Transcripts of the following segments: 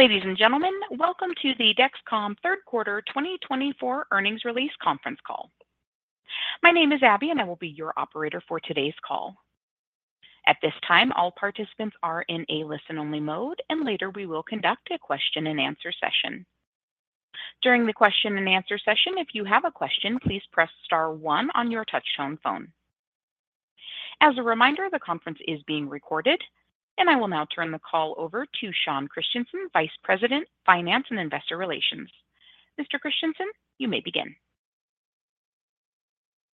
Ladies and gentlemen, welcome to the Dexcom Third Quarter 2024 Earnings Release Conference Call. My name is Abby, and I will be your operator for today's call. At this time, all participants are in a listen-only mode, and later we will conduct a question-and-answer session. During the question-and-answer session, if you have a question, please press star 1 on your touchtone phone. As a reminder, the conference is being recorded, and I will now turn the call over to Sean Christensen, Vice President, Finance and Investor Relations. Mr. Christensen, you may begin.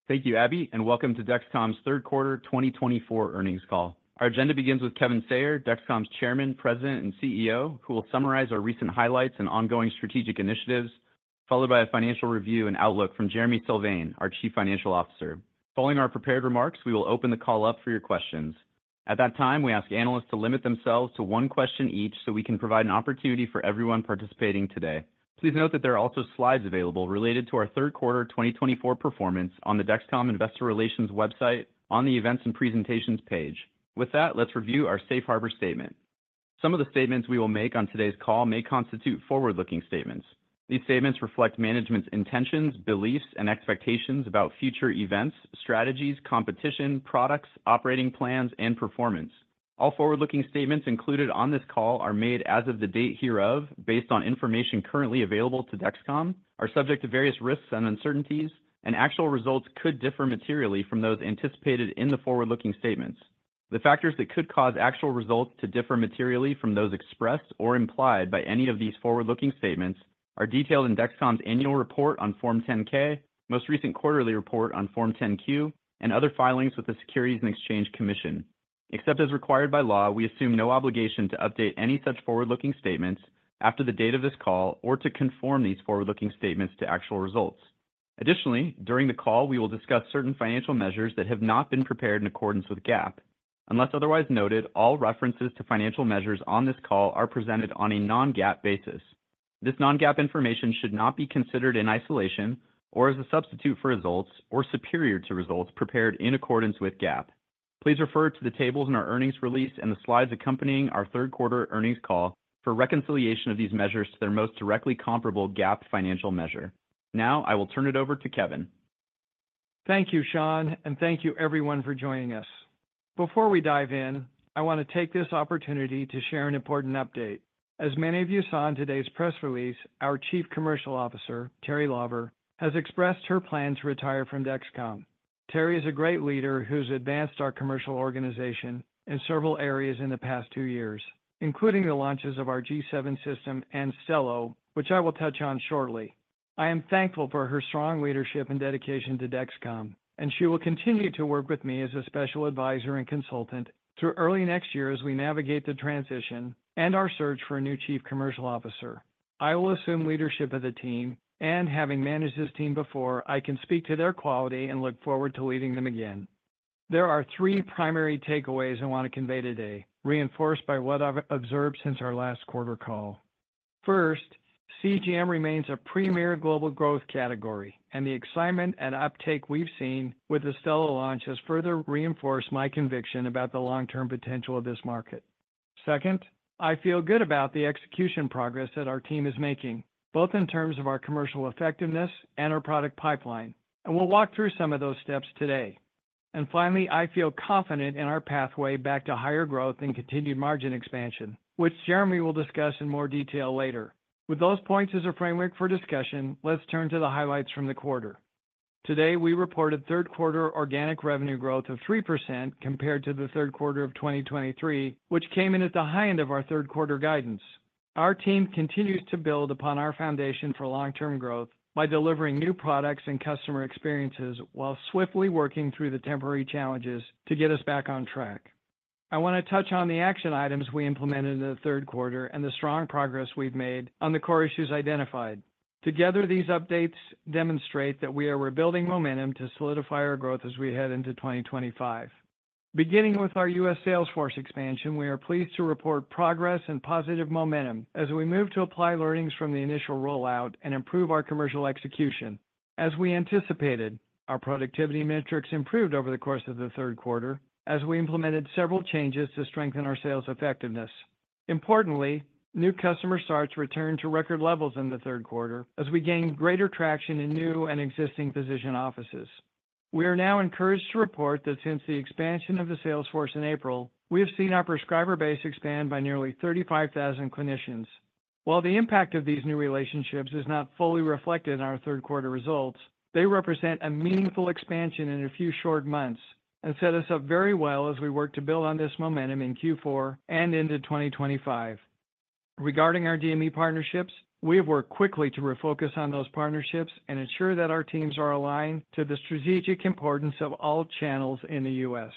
Thank you, Abby, and welcome to Dexcom's Third Quarter 2024 earnings call. Our agenda begins with Kevin Sayer, Dexcom's Chairman, President, and CEO, who will summarize our recent highlights and ongoing strategic initiatives, followed by a financial review and outlook from Jereme Sylvain, our Chief Financial Officer. Following our prepared remarks, we will open the call up for your questions. At that time, we ask analysts to limit themselves to one question each, so we can provide an opportunity for everyone participating today. Please note that there are also slides available related to our third quarter 2024 performance on the Dexcom Investor Relations website on the Events and Presentations page. With that, let's review our safe harbor statement. Some of the statements we will make on today's call may constitute forward-looking statements. These statements reflect management's intentions, beliefs, and expectations about future events, strategies, competition, products, operating plans, and performance. All forward-looking statements included on this call are made as of the date hereof, based on information currently available to Dexcom, are subject to various risks and uncertainties, and actual results could differ materially from those anticipated in the forward-looking statements. The factors that could cause actual results to differ materially from those expressed or implied by any of these forward-looking statements are detailed in Dexcom's annual report on Form 10-K, most recent quarterly report on Form 10-Q, and other filings with the Securities and Exchange Commission. Except as required by law, we assume no obligation to update any such forward-looking statements after the date of this call or to conform these forward-looking statements to actual results. Additionally, during the call, we will discuss certain financial measures that have not been prepared in accordance with GAAP. Unless otherwise noted, all references to financial measures on this call are presented on a non-GAAP basis. This non-GAAP information should not be considered in isolation or as a substitute for results or superior to results prepared in accordance with GAAP. Please refer to the tables in our earnings release and the slides accompanying our third quarter earnings call for reconciliation of these measures to their most directly comparable GAAP financial measure. Now, I will turn it over to Kevin. Thank you, Sean, and thank you everyone for joining us. Before we dive in, I want to take this opportunity to share an important update. As many of you saw in today's press release, our Chief Commercial Officer, Teri Lawver, has expressed her plan to retire from Dexcom. Teri is a great leader who's advanced our commercial organization in several areas in the past two years, including the launches of our G7 system and Stelo, which I will touch on shortly. I am thankful for her strong leadership and dedication to Dexcom, and she will continue to work with me as a special advisor and consultant through early next year as we navigate the transition and our search for a new chief commercial officer. I will assume leadership of the team, and having managed this team before, I can speak to their quality and look forward to leading them again. There are three primary takeaways I want to convey today, reinforced by what I've observed since our last quarter call. First, CGM remains a premier global growth category, and the excitement and uptake we've seen with the Stelo launch has further reinforced my conviction about the long-term potential of this market. Second, I feel good about the execution progress that our team is making, both in terms of our commercial effectiveness and our product pipeline, and we'll walk through some of those steps today, and finally, I feel confident in our pathway back to higher growth and continued margin expansion, which Jereme will discuss in more detail later. With those points as a framework for discussion, let's turn to the highlights from the quarter. Today, we reported third quarter organic revenue growth of 3% compared to the third quarter of 2023, which came in at the high end of our third quarter guidance. Our team continues to build upon our foundation for long-term growth by delivering new products and customer experiences while swiftly working through the temporary challenges to get us back on track. I want to touch on the action items we implemented in the third quarter and the strong progress we've made on the core issues identified. Together, these updates demonstrate that we are rebuilding momentum to solidify our growth as we head into 2025. Beginning with our U.S. salesforce expansion, we are pleased to report progress and positive momentum as we move to apply learnings from the initial rollout and improve our commercial execution. As we anticipated, our productivity metrics improved over the course of the third quarter as we implemented several changes to strengthen our sales effectiveness. Importantly, new customer starts returned to record levels in the third quarter as we gained greater traction in new and existing physician offices. We are now encouraged to report that since the expansion of the salesforce in April, we have seen our prescriber base expand by nearly 35,000 clinicians. While the impact of these new relationships is not fully reflected in our third quarter results, they represent a meaningful expansion in a few short months and set us up very well as we work to build on this momentum in Q4 and into 2025. Regarding our DME partnerships, we have worked quickly to refocus on those partnerships and ensure that our teams are aligned to the strategic importance of all channels in the U.S.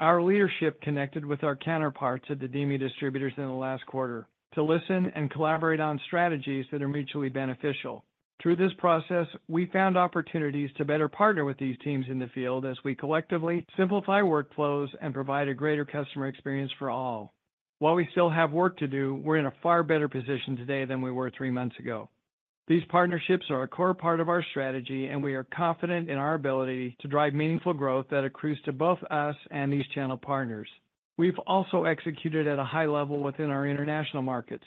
Our leadership connected with our counterparts at the DME distributors in the last quarter to listen and collaborate on strategies that are mutually beneficial. Through this process, we found opportunities to better partner with these teams in the field as we collectively simplify workflows and provide a greater customer experience for all. While we still have work to do, we're in a far better position today than we were three months ago.... These partnerships are a core part of our strategy, and we are confident in our ability to drive meaningful growth that accrues to both us and these channel partners. We've also executed at a high level within our international markets.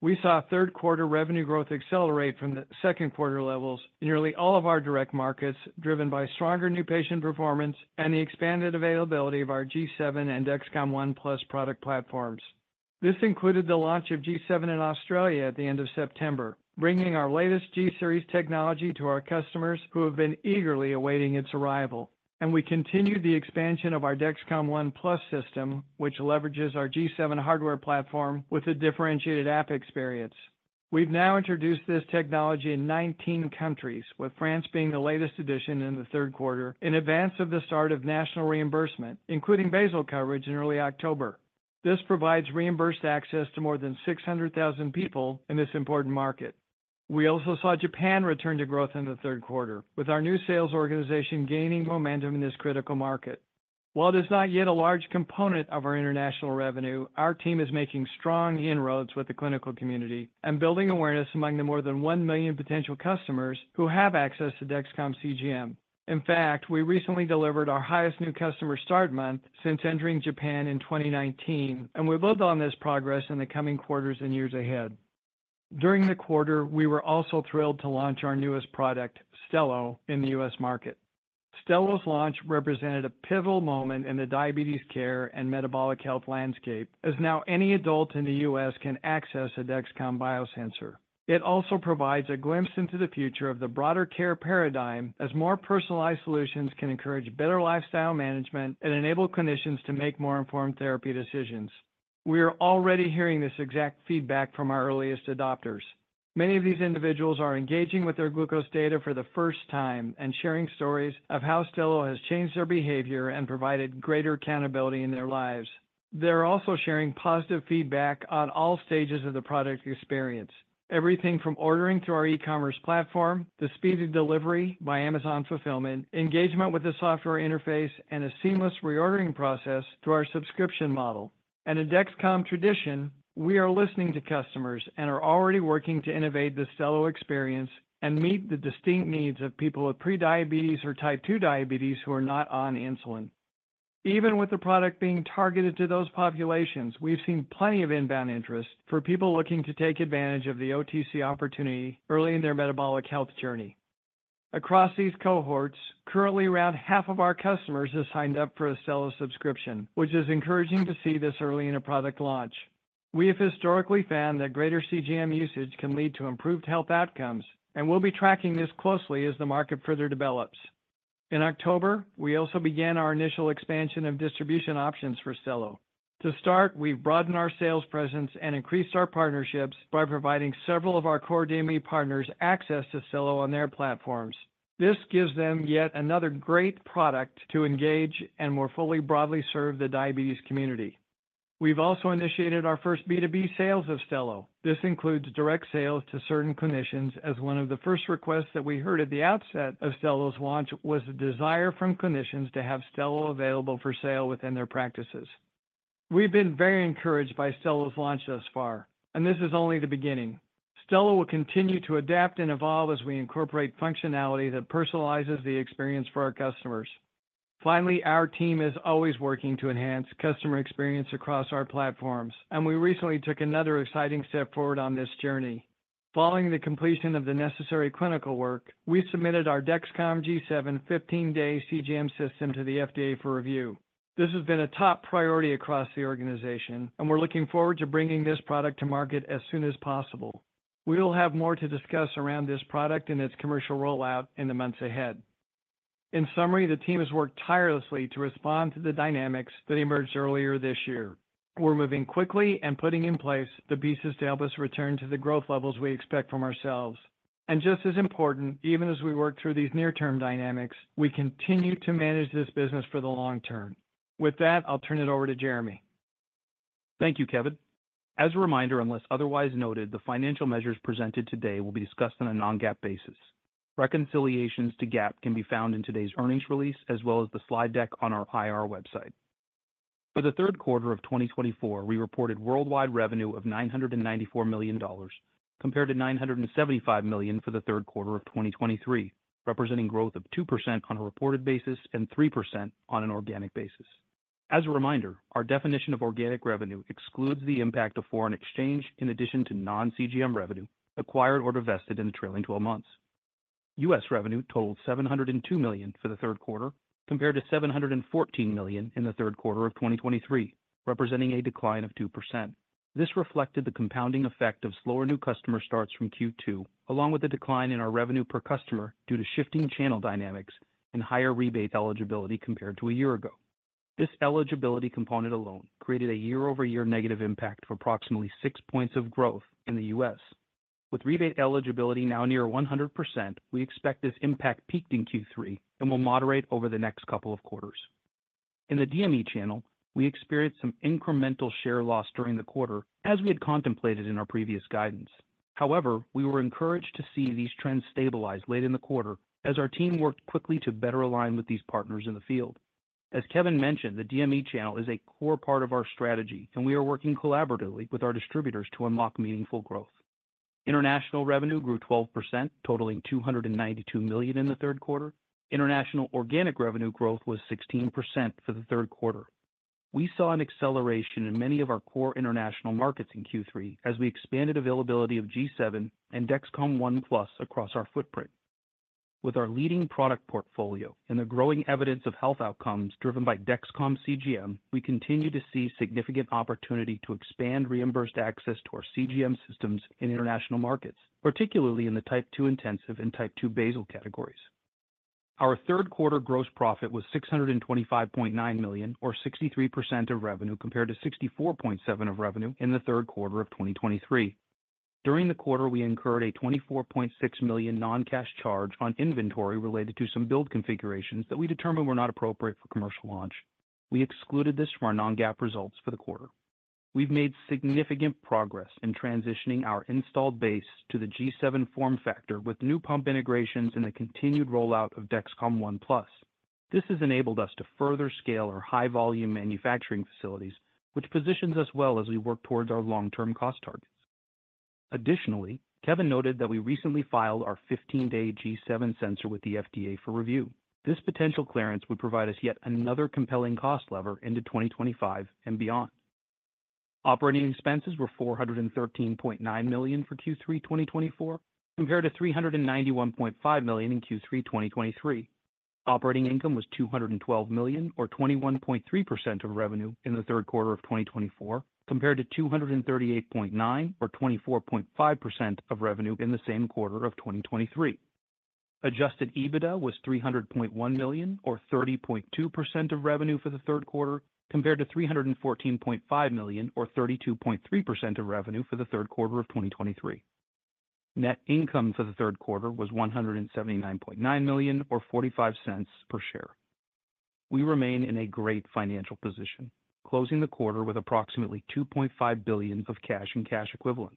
We saw third quarter revenue growth accelerate from the second quarter levels in nearly all of our direct markets, driven by stronger new patient performance and the expanded availability of our G7 and Dexcom ONE+ product platforms. This included the launch of G7 in Australia at the end of September, bringing our latest G-Series technology to our customers who have been eagerly awaiting its arrival. And we continued the expansion of our Dexcom ONE+ system, which leverages our G7 hardware platform with a differentiated app experience. We've now introduced this technology in nineteen countries, with France being the latest addition in the third quarter, in advance of the start of national reimbursement, including basal coverage in early October. This provides reimbursed access to more than six hundred thousand people in this important market. We also saw Japan return to growth in the third quarter, with our new sales organization gaining momentum in this critical market. While it is not yet a large component of our international revenue, our team is making strong inroads with the clinical community and building awareness among the more than one million potential customers who have access to Dexcom CGM. In fact, we recently delivered our highest new customer start month since entering Japan in 2019, and we build on this progress in the coming quarters and years ahead. During the quarter, we were also thrilled to launch our newest product, Stelo, in the U.S. market. Stelo's launch represented a pivotal moment in the diabetes care and metabolic health landscape, as now any adult in the U.S. can access a Dexcom biosensor. It also provides a glimpse into the future of the broader care paradigm, as more personalized solutions can encourage better lifestyle management and enable clinicians to make more informed therapy decisions. We are already hearing this exact feedback from our earliest adopters. Many of these individuals are engaging with their glucose data for the first time and sharing stories of how Stelo has changed their behavior and provided greater accountability in their lives. They're also sharing positive feedback on all stages of the product experience. Everything from ordering through our e-commerce platform, the speed of delivery by Amazon fulfillment, engagement with the software interface, and a seamless reordering process through our subscription model, and in Dexcom tradition, we are listening to customers and are already working to innovate the Stelo experience and meet the distinct needs of people with prediabetes or type 2 diabetes who are not on insulin. Even with the product being targeted to those populations, we've seen plenty of inbound interest for people looking to take advantage of the OTC opportunity early in their metabolic health journey. Across these cohorts, currently, around half of our customers have signed up for a Stelo subscription, which is encouraging to see this early in a product launch. We have historically found that greater CGM usage can lead to improved health outcomes, and we'll be tracking this closely as the market further develops. In October, we also began our initial expansion of distribution options for Stelo. To start, we've broadened our sales presence and increased our partnerships by providing several of our core DME partners access to Stelo on their platforms. This gives them yet another great product to engage and more fully, broadly serve the diabetes community. We've also initiated our first B2B sales of Stelo. This includes direct sales to certain clinicians, as one of the first requests that we heard at the outset of Stelo's launch was the desire from clinicians to have Stelo available for sale within their practices. We've been very encouraged by Stelo's launch thus far, and this is only the beginning. Stelo will continue to adapt and evolve as we incorporate functionality that personalizes the experience for our customers. Finally, our team is always working to enhance customer experience across our platforms, and we recently took another exciting step forward on this journey. Following the completion of the necessary clinical work, we submitted our Dexcom G7 15-day CGM system to the FDA for review. This has been a top priority across the organization, and we're looking forward to bringing this product to market as soon as possible. We will have more to discuss around this product and its commercial rollout in the months ahead. In summary, the team has worked tirelessly to respond to the dynamics that emerged earlier this year. We're moving quickly and putting in place the pieces to help us return to the growth levels we expect from ourselves. And just as important, even as we work through these near-term dynamics, we continue to manage this business for the long term. With that, I'll turn it over to Jereme. Thank you, Kevin. As a reminder, unless otherwise noted, the financial measures presented today will be discussed on a non-GAAP basis. Reconciliations to GAAP can be found in today's earnings release, as well as the slide deck on our IR website. For the third quarter of 2024, we reported worldwide revenue of $994 million, compared to $975 million for the third quarter of 2023, representing growth of 2% on a reported basis and 3% on an organic basis. As a reminder, our definition of organic revenue excludes the impact of foreign exchange in addition to non-CGM revenue, acquired or divested in the trailing twelve months. U.S. revenue totaled $702 million for the third quarter, compared to $714 million in the third quarter of 2023, representing a decline of 2%. This reflected the compounding effect of slower new customer starts from Q2, along with the decline in our revenue per customer due to shifting channel dynamics and higher rebate eligibility compared to a year ago. This eligibility component alone created a year-over-year negative impact of approximately six points of growth in the U.S. With rebate eligibility now near 100%, we expect this impact peaked in Q3 and will moderate over the next couple of quarters. In the DME channel, we experienced some incremental share loss during the quarter, as we had contemplated in our previous guidance. However, we were encouraged to see these trends stabilize late in the quarter as our team worked quickly to better align with these partners in the field.... As Kevin mentioned, the DME channel is a core part of our strategy, and we are working collaboratively with our distributors to unlock meaningful growth. International revenue grew 12%, totaling $292 million in the third quarter. International organic revenue growth was 16% for the third quarter. We saw an acceleration in many of our core international markets in Q3 as we expanded availability of G7 and Dexcom ONE+ across our footprint. With our leading product portfolio and the growing evidence of health outcomes driven by Dexcom CGM, we continue to see significant opportunity to expand reimbursed access to our CGM systems in international markets, particularly in the Type 2 intensive and Type 2 basal categories. Our third quarter gross profit was $625.9 million, or 63% of revenue, compared to 64.7% of revenue in the third quarter of 2023. During the quarter, we incurred a $24.6 million non-cash charge on inventory related to some build configurations that we determined were not appropriate for commercial launch. We excluded this from our non-GAAP results for the quarter. We've made significant progress in transitioning our installed base to the G7 form factor, with new pump integrations and the continued rollout of Dexcom ONE+. This has enabled us to further scale our high-volume manufacturing facilities, which positions us well as we work towards our long-term cost targets. Additionally, Kevin noted that we recently filed our 15-day G7 sensor with the FDA for review. This potential clearance would provide us yet another compelling cost lever into 2025 and beyond. Operating expenses were $413.9 million for Q3 2024, compared to $391.5 million in Q3 2023. Operating income was $212 million, or 21.3% of revenue, in the third quarter of 2024, compared to $238.9 million, or 24.5% of revenue in the same quarter of 2023. Adjusted EBITDA was $300.1 million, or 30.2% of revenue for the third quarter, compared to $314.5 million, or 32.3% of revenue for the third quarter of 2023. Net income for the third quarter was $179.9 million, or $0.45 per share. We remain in a great financial position, closing the quarter with approximately $2.5 billion of cash and cash equivalents.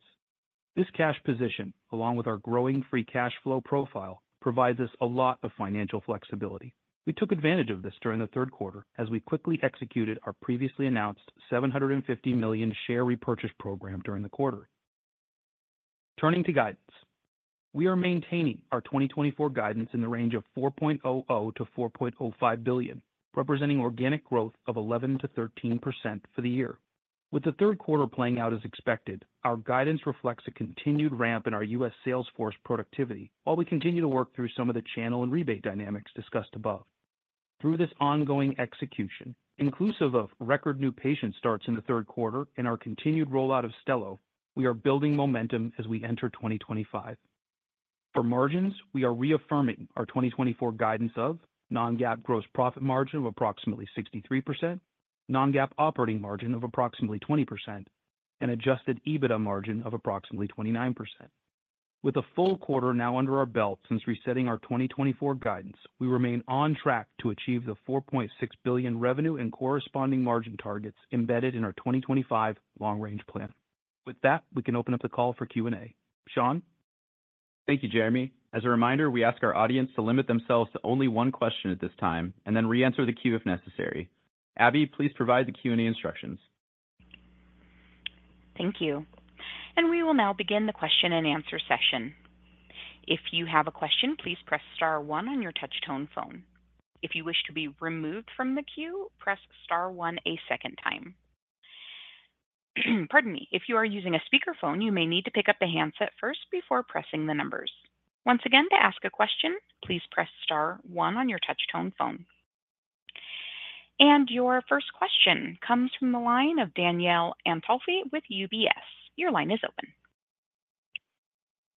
This cash position, along with our growing free cash flow profile, provides us a lot of financial flexibility. We took advantage of this during the third quarter as we quickly executed our previously announced $750 million share repurchase program during the quarter. Turning to guidance, we are maintaining our 2024 guidance in the range of $4.0-$4.05 billion, representing organic growth of 11%-13% for the year. With the third quarter playing out as expected, our guidance reflects a continued ramp in our US sales force productivity, while we continue to work through some of the channel and rebate dynamics discussed above. Through this ongoing execution, inclusive of record new patient starts in the third quarter and our continued rollout of Stelo, we are building momentum as we enter 2025. For margins, we are reaffirming our 2024 guidance of non-GAAP gross profit margin of approximately 63%, non-GAAP operating margin of approximately 20%, and adjusted EBITDA margin of approximately 29%. With a full quarter now under our belt since resetting our 2024 guidance, we remain on track to achieve the $4.6 billion revenue and corresponding margin targets embedded in our 2025 long-range plan. With that, we can open up the call for Q&A. Sean? Thank you, Jereme. As a reminder, we ask our audience to limit themselves to only one question at this time and then reenter the queue if necessary. Abby, please provide the Q&A instructions. Thank you. And we will now begin the question-and-answer session. If you have a question, please press star 1 on your touch tone phone. If you wish to be removed from the queue, press star 1 a second time. Pardon me. If you are using a speakerphone, you may need to pick up the handset first before pressing the numbers. Once again, to ask a question, please press star 1 on your touch tone phone. And your first question comes from the line of Danielle Antalffy with UBS. Your line is open.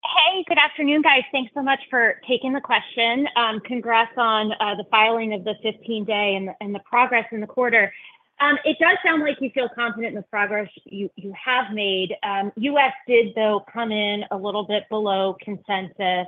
Hey, good afternoon, guys. Thanks so much for taking the question. Congrats on the filing of the 15-day and the progress in the quarter. It does sound like you feel confident in the progress you have made. U.S. did, though, come in a little bit below consensus.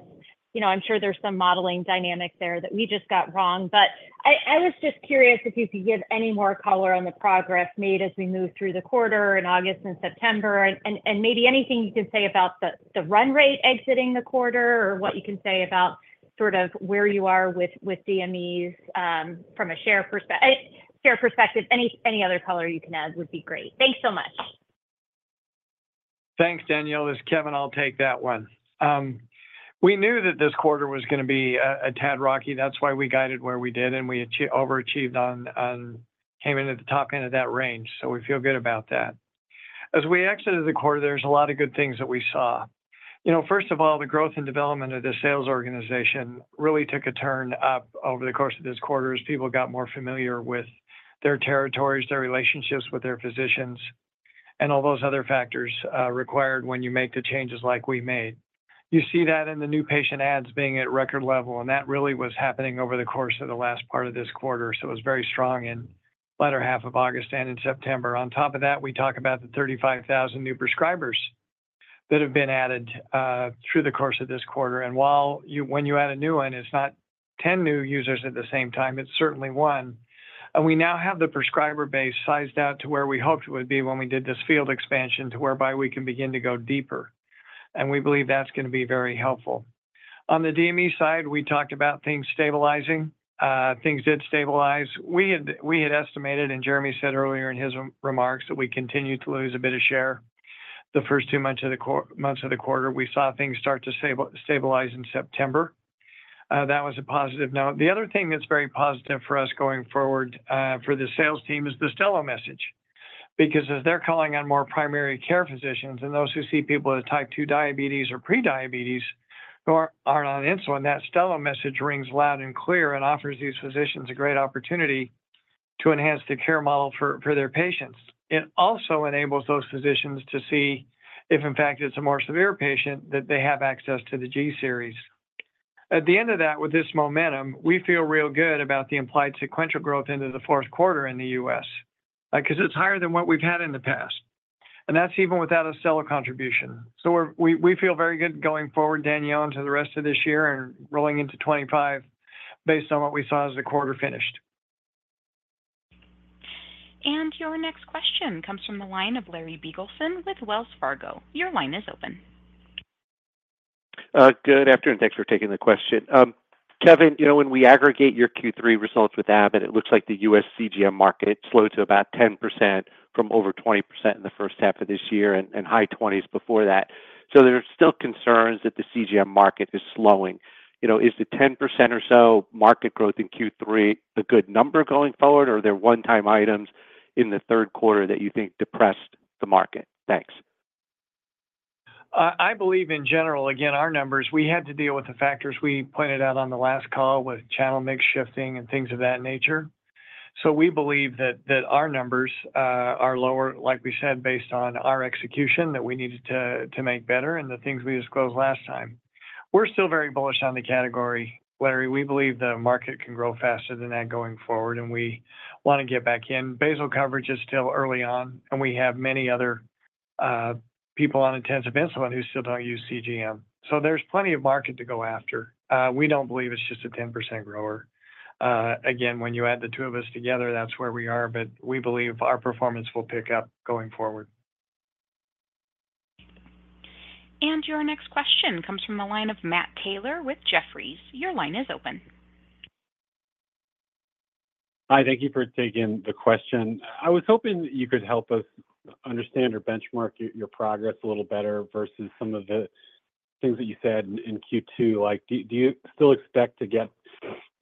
You know, I'm sure there's some modeling dynamic there that we just got wrong, but I was just curious if you could give any more color on the progress made as we move through the quarter in August and September, and maybe anything you can say about the run rate exiting the quarter, or what you can say about sort of where you are with DMEs from a share perspective. Any other color you can add would be great. Thanks so much. Thanks, Danielle. This is Kevin. I'll take that one. We knew that this quarter was gonna be a tad rocky. That's why we guided where we did, and we overachieved, came in at the top end of that range, so we feel good about that. As we exited the quarter, there's a lot of good things that we saw. You know, first of all, the growth and development of the sales organization really took a turn up over the course of this quarter, as people got more familiar with their territories, their relationships with their physicians, and all those other factors required when you make the changes like we made. You see that in the new patient adds being at record level, and that really was happening over the course of the last part of this quarter. It was very strong in the latter half of August and in September. On top of that, we talk about the 35,000 new prescribers that have been added through the course of this quarter, and while, when you add a new one, it's not 10 new users at the same time, it's certainly one. We now have the prescriber base sized out to where we hoped it would be when we did this field expansion, to whereby we can begin to go deeper, and we believe that's gonna be very helpful. On the DME side, we talked about things stabilizing. Things did stabilize. We had estimated, and Jereme said earlier in his remarks, that we continued to lose a bit of share.... the first two months of the quarter, we saw things start to stabilize in September. That was a positive note. The other thing that's very positive for us going forward, for the sales team is the Stelo message. Because as they're calling on more primary care physicians and those who see people with Type 2 diabetes or pre-diabetes who are on insulin, that Stelo message rings loud and clear and offers these physicians a great opportunity to enhance the care model for their patients. It also enables those physicians to see if, in fact, it's a more severe patient, that they have access to the G-Series. At the end of that, with this momentum, we feel real good about the implied sequential growth into the fourth quarter in the U.S., 'cause it's higher than what we've had in the past, and that's even without a Stelo contribution. So we feel very good going forward, Danielle, into the rest of this year and rolling into twenty-five based on what we saw as the quarter finished. Your next question comes from the line of Larry Biegelsen with Wells Fargo. Your line is open. Good afternoon, thanks for taking the question. Kevin, you know, when we aggregate your Q3 results with Abbott, it looks like the U.S. CGM market slowed to about 10% from over 20% in the first half of this year and high 20s% before that. So there are still concerns that the CGM market is slowing. You know, is the 10% or so market growth in Q3 a good number going forward, or are there one-time items in the third quarter that you think depressed the market? Thanks. I believe in general, again, our numbers, we had to deal with the factors we pointed out on the last call with channel mix shifting and things of that nature. So we believe that our numbers are lower, like we said, based on our execution that we needed to make better and the things we disclosed last time. We're still very bullish on the category, Larry. We believe the market can grow faster than that going forward, and we wanna get back in. Basal coverage is still early on, and we have many other people on intensive insulin who still don't use CGM. So there's plenty of market to go after. We don't believe it's just a 10% grower. Again, when you add the two of us together, that's where we are, but we believe our performance will pick up going forward. Your next question comes from the line of Matt Taylor with Jefferies. Your line is open. Hi, thank you for taking the question. I was hoping you could help us understand or benchmark your progress a little better versus some of the things that you said in Q2. Like, do you still expect to get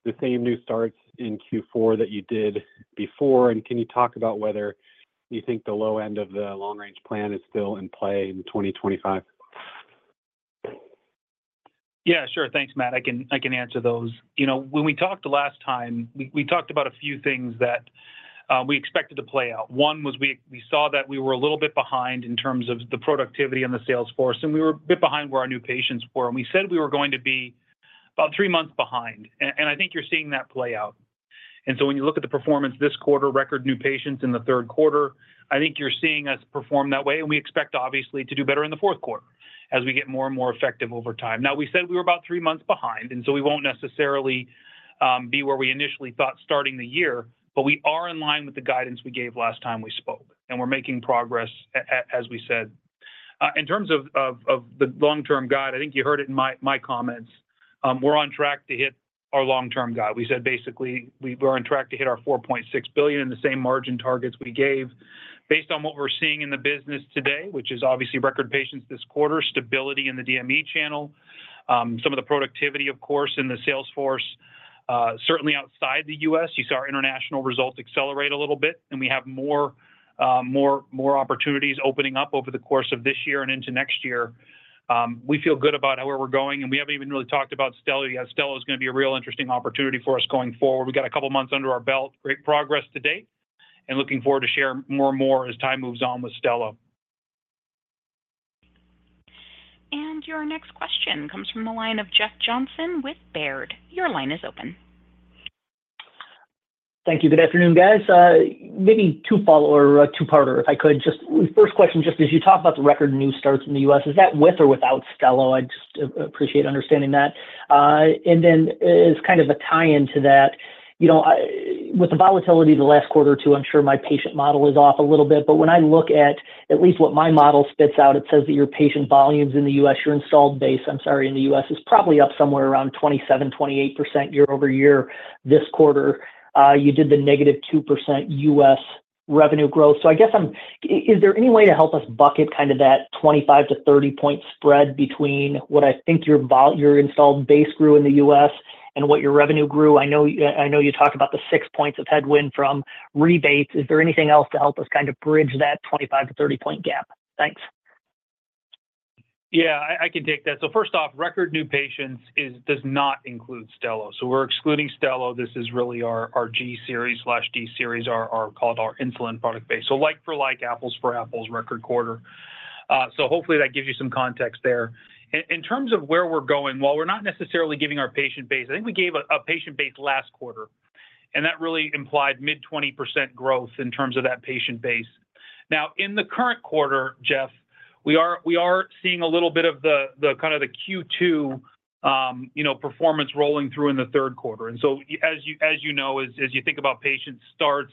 the same new starts in Q4 that you did before? And can you talk about whether you think the low end of the long-range plan is still in play in 2025? Yeah, sure. Thanks, Matt. I can answer those. You know, when we talked last time, we talked about a few things that we expected to play out. One was we saw that we were a little bit behind in terms of the productivity and the sales force, and we were a bit behind where our new patients were, and we said we were going to be about three months behind. And I think you're seeing that play out. And so when you look at the performance this quarter, record new patients in the third quarter, I think you're seeing us perform that way, and we expect, obviously, to do better in the fourth quarter as we get more and more effective over time. Now, we said we were about three months behind, and so we won't necessarily be where we initially thought starting the year, but we are in line with the guidance we gave last time we spoke, and we're making progress as we said. In terms of the long-term guide, I think you heard it in my comments. We're on track to hit our long-term guide. We said basically we were on track to hit our $4.6 billion in the same margin targets we gave based on what we're seeing in the business today, which is obviously record patients this quarter, stability in the DME channel, some of the productivity, of course, in the sales force. Certainly outside the U.S., you saw our international results accelerate a little bit, and we have more opportunities opening up over the course of this year and into next year. We feel good about where we're going, and we haven't even really talked about Stelo yet. Stelo is gonna be a real interesting opportunity for us going forward. We've got a couple months under our belt, great progress to date, and looking forward to share more and more as time moves on with Stelo. And your next question comes from the line of Jeff Johnson with Baird. Your line is open. Thank you. Good afternoon, guys. Maybe two follow or a two-parter, if I could. Just first question, just as you talk about the record new starts in the US, is that with or without Stelo? I'd just appreciate understanding that. And then as kind of a tie-in to that, you know, with the volatility of the last quarter, too, I'm sure my patient model is off a little bit. But when I look at least what my model spits out, it says that your patient volumes in the US, your installed base, I'm sorry, in the US, is probably up somewhere around 27-28% year over year this quarter. You did the -2% US revenue growth. So I guess I'm. Is there any way to help us bucket kind of that twenty-five to thirty-point spread between what I think your volume, your installed base, grew in the US and what your revenue grew? I know, I know you talked about the six points of headwind from rebates. Is there anything else to help us kind of bridge that twenty-five to thirty-point gap? Thanks. Yeah, I can take that. So first off, record new patients is, does not include Stelo. So we're excluding Stelo. This is really our G-Series/D series, our... called our insulin product base. So like for like, apples for apples, record quarter. So hopefully that gives you some context there. In terms of where we're going, while we're not necessarily giving our patient base, I think we gave a patient base last quarter, and that really implied mid-20% growth in terms of that patient base. Now, in the current quarter, Jeff, we are seeing a little bit of the kind of Q2, you know, performance rolling through in the third quarter. As you know, as you think about patient starts,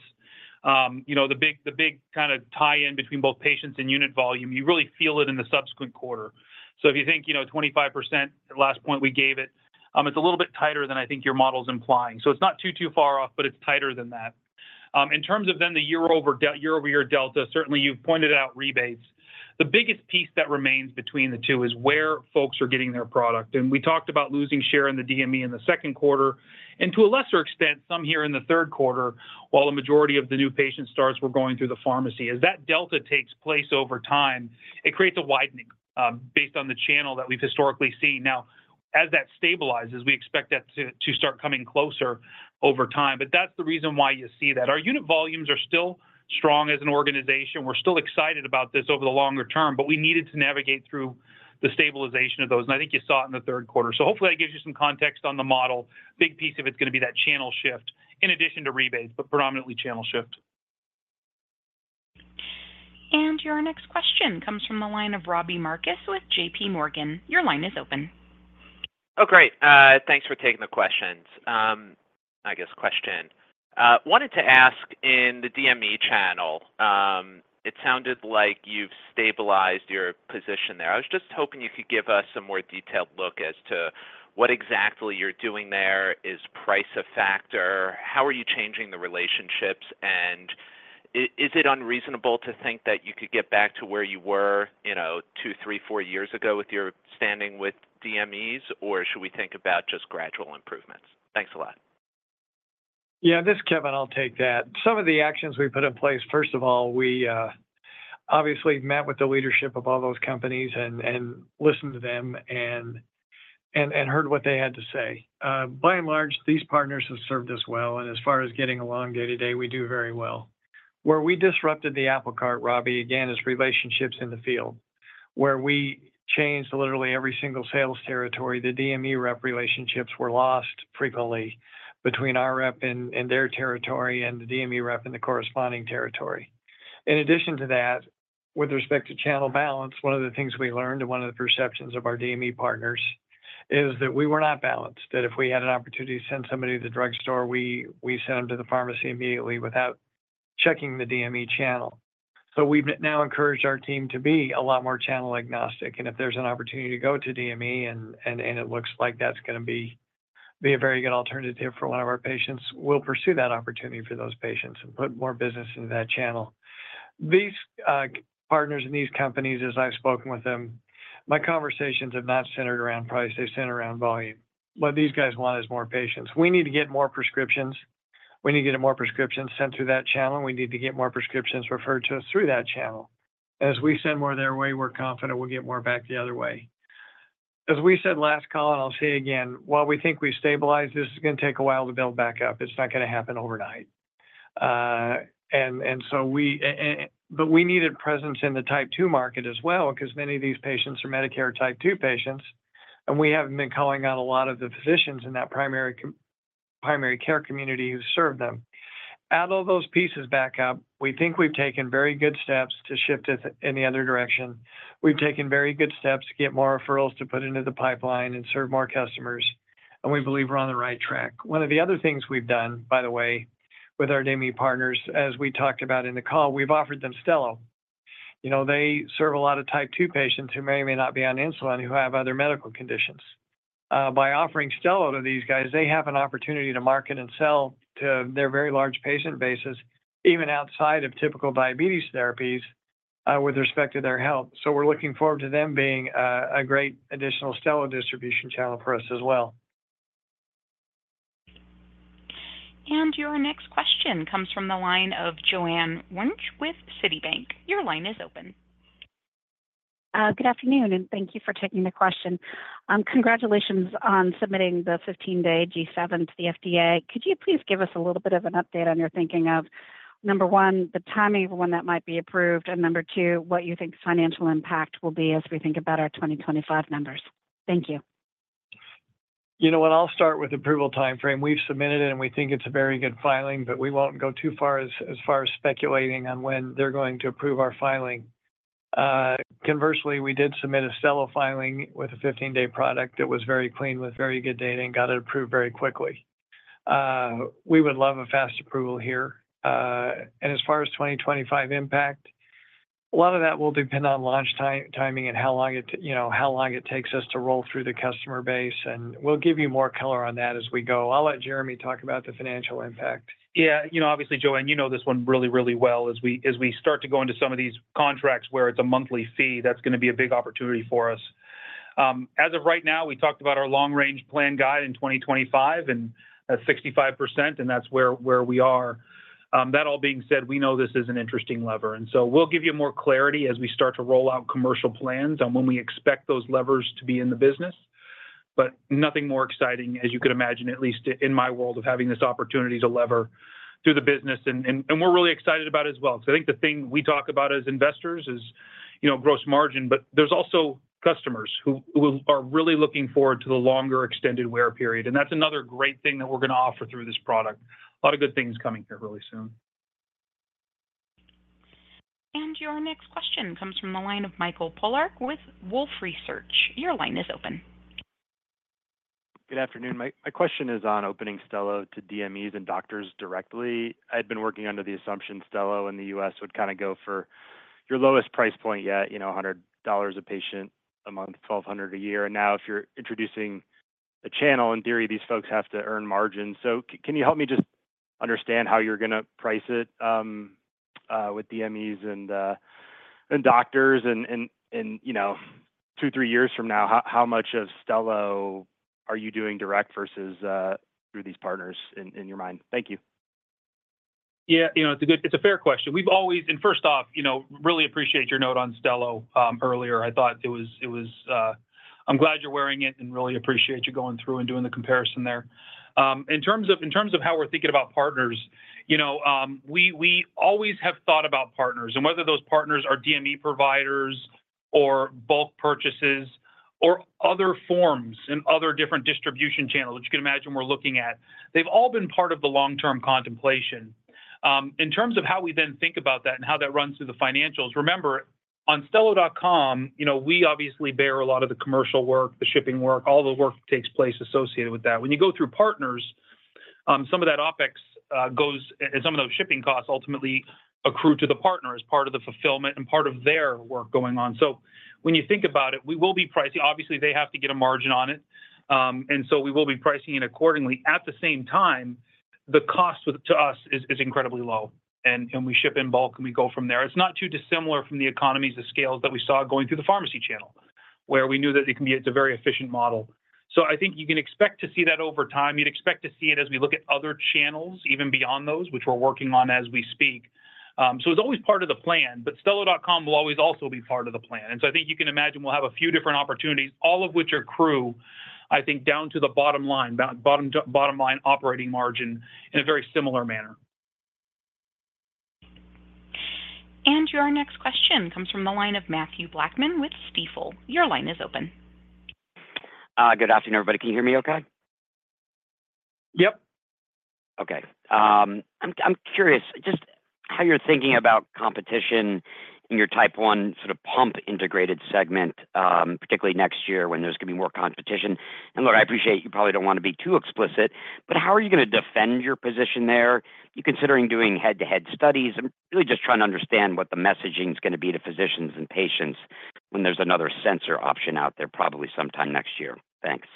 you know, the big kind of tie-in between both patients and unit volume, you really feel it in the subsequent quarter. If you think, you know, 25%, the last point we gave it, it's a little bit tighter than I think your model is implying. It's not too far off, but it's tighter than that. In terms of then the year-over-year delta, certainly you've pointed out rebates. The biggest piece that remains between the two is where folks are getting their product. We talked about losing share in the DME in the second quarter, and to a lesser extent, some here in the third quarter, while the majority of the new patient starts were going through the pharmacy. As that delta takes place over time, it creates a widening based on the channel that we've historically seen. Now, as that stabilizes, we expect that to start coming closer over time, but that's the reason why you see that. Our unit volumes are still strong as an organization. We're still excited about this over the longer term, but we needed to navigate through the stabilization of those, and I think you saw it in the third quarter. So hopefully that gives you some context on the model. Big piece of it's gonna be that channel shift, in addition to rebates, but predominantly channel shift. Your next question comes from the line of Robbie Marcus with J.P. Morgan. Your line is open. Oh, great. Thanks for taking the questions. Wanted to ask in the DME channel, it sounded like you've stabilized your position there. I was just hoping you could give us a more detailed look as to what exactly you're doing there. Is price a factor? How are you changing the relationships? And is it unreasonable to think that you could get back to where you were, you know, two, three, four years ago with your standing with DMEs, or should we think about just gradual improvements? Thanks a lot. Yeah, this is Kevin. I'll take that. Some of the actions we put in place, first of all, we obviously met with the leadership of all those companies and heard what they had to say. By and large, these partners have served us well, and as far as getting along day to day, we do very well. Where we disrupted the apple cart, Robbie, again, is relationships in the field. Where we changed literally every single sales territory, the DME rep relationships were lost frequently between our rep and their territory and the DME rep in the corresponding territory. In addition to that, with respect to channel balance, one of the things we learned, and one of the perceptions of our DME partners, is that we were not balanced. That if we had an opportunity to send somebody to the drugstore, we sent them to the pharmacy immediately without checking the DME channel. So we've now encouraged our team to be a lot more channel agnostic, and if there's an opportunity to go to DME and it looks like that's gonna be a very good alternative for one of our patients, we'll pursue that opportunity for those patients and put more business into that channel. These partners in these companies, as I've spoken with them, my conversations have not centered around price, they've centered around volume. What these guys want is more patients. We need to get more prescriptions. We need to get more prescriptions sent through that channel, and we need to get more prescriptions referred to us through that channel. As we send more their way, we're confident we'll get more back the other way. As we said last call, and I'll say again, while we think we've stabilized, this is gonna take a while to build back up. It's not gonna happen overnight, but we needed presence in the Type 2 market as well, because many of these patients are Medicare Type 2 patients, and we haven't been calling on a lot of the physicians in that primary care community who serve them. Add all those pieces back up, we think we've taken very good steps to shift it in the other direction. We've taken very good steps to get more referrals to put into the pipeline and serve more customers, and we believe we're on the right track. One of the other things we've done, by the way, with our DME partners, as we talked about in the call, we've offered them Stelo. You know, they serve a lot of Type 2 patients who may or may not be on insulin, who have other medical conditions. By offering Stelo to these guys, they have an opportunity to market and sell to their very large patient bases, even outside of typical diabetes therapies, with respect to their health. So we're looking forward to them being a great additional Stelo distribution channel for us as well. And your next question comes from the line of Joanne Wuensch with Citibank. Your line is open. Good afternoon, and thank you for taking the question. Congratulations on submitting the 15-day G7 to the FDA. Could you please give us a little bit of an update on your thinking of, number one, the timing of when that might be approved, and number two, what you think the financial impact will be as we think about our 2025 numbers? Thank you. You know what? I'll start with the approval timeframe. We've submitted it, and we think it's a very good filing, but we won't go too far as far as speculating on when they're going to approve our filing. Conversely, we did submit a Stelo filing with a 15-day product that was very clean, with very good data and got it approved very quickly. We would love a fast approval here, and as far as 2025 impact, a lot of that will depend on launch timing and how long it, you know, how long it takes us to roll through the customer base, and we'll give you more color on that as we go. I'll let Jereme talk about the financial impact. Yeah, you know, obviously, Joanne, you know this one really, really well. As we start to go into some of these contracts where it's a monthly fee, that's gonna be a big opportunity for us. As of right now, we talked about our Long-Range Plan guidance in 2025, and that's 65%, and that's where we are. That all being said, we know this is an interesting lever, and so we'll give you more clarity as we start to roll out commercial plans on when we expect those levers to be in the business. But nothing more exciting, as you can imagine, at least in my world, than having this opportunity to lever through the business, and we're really excited about it as well. So I think the thing we talk about as investors is, you know, gross margin, but there's also customers who are really looking forward to the longer extended wear period, and that's another great thing that we're gonna offer through this product. A lot of good things coming here really soon. Your next question comes from the line of Michael Polark with Wolfe Research. Your line is open. Good afternoon. My question is on opening Stelo to DMEs and doctors directly. I'd been working under the assumption Stelo in the US would kind of go for your lowest price point yet, you know, $100 a patient a month, $1,200 a year. And now, if you're introducing a channel, in theory, these folks have to earn margins. So can you help me just understand how you're gonna price it with DMEs and doctors and, you know, two, three years from now, how much of Stelo are you doing direct versus through these partners in your mind? Thank you. Yeah, you know, it's a good question. It's a fair question. We've always... First off, you know, really appreciate your note on Stelo earlier. I thought it was... I'm glad you're wearing it and really appreciate you going through and doing the comparison there. In terms of how we're thinking about partners, you know, we always have thought about partners, and whether those partners are DME providers or bulk purchases or other forms and other different distribution channels, which you can imagine we're looking at. They've all been part of the long-term contemplation. In terms of how we then think about that and how that runs through the financials, remember, on Stelo.com, you know, we obviously bear a lot of the commercial work, the shipping work, all the work that takes place associated with that. When you go through partners, some of that OpEx goes, and some of those shipping costs ultimately accrue to the partner as part of the fulfillment and part of their work going on. So when you think about it, we will be pricing, obviously, they have to get a margin on it, and so we will be pricing it accordingly. At the same time, the cost to us is incredibly low, and we ship in bulk, and we go from there. It's not too dissimilar from the economies of scale that we saw going through the pharmacy channel, where we knew that it can be. It's a very efficient model. So I think you can expect to see that over time. You'd expect to see it as we look at other channels, even beyond those, which we're working on as we speak. It's always part of the plan, but Stelo.com will always also be part of the plan. I think you can imagine we'll have a few different opportunities, all of which accrue, I think, down to the bottom line operating margin in a very similar manner. Your next question comes from the line of Mathew Blackman with Stifel. Your line is open. Good afternoon, everybody. Can you hear me okay? Yep. Okay. I'm curious just how you're thinking about competition in your Type 1 sort of pump integrated segment, particularly next year when there's going to be more competition. And, look, I appreciate you probably don't want to be too explicit, but how are you gonna defend your position there? You considering doing head-to-head studies? I'm really just trying to understand what the messaging is gonna be to physicians and patients when there's another sensor option out there, probably sometime next year. Thanks.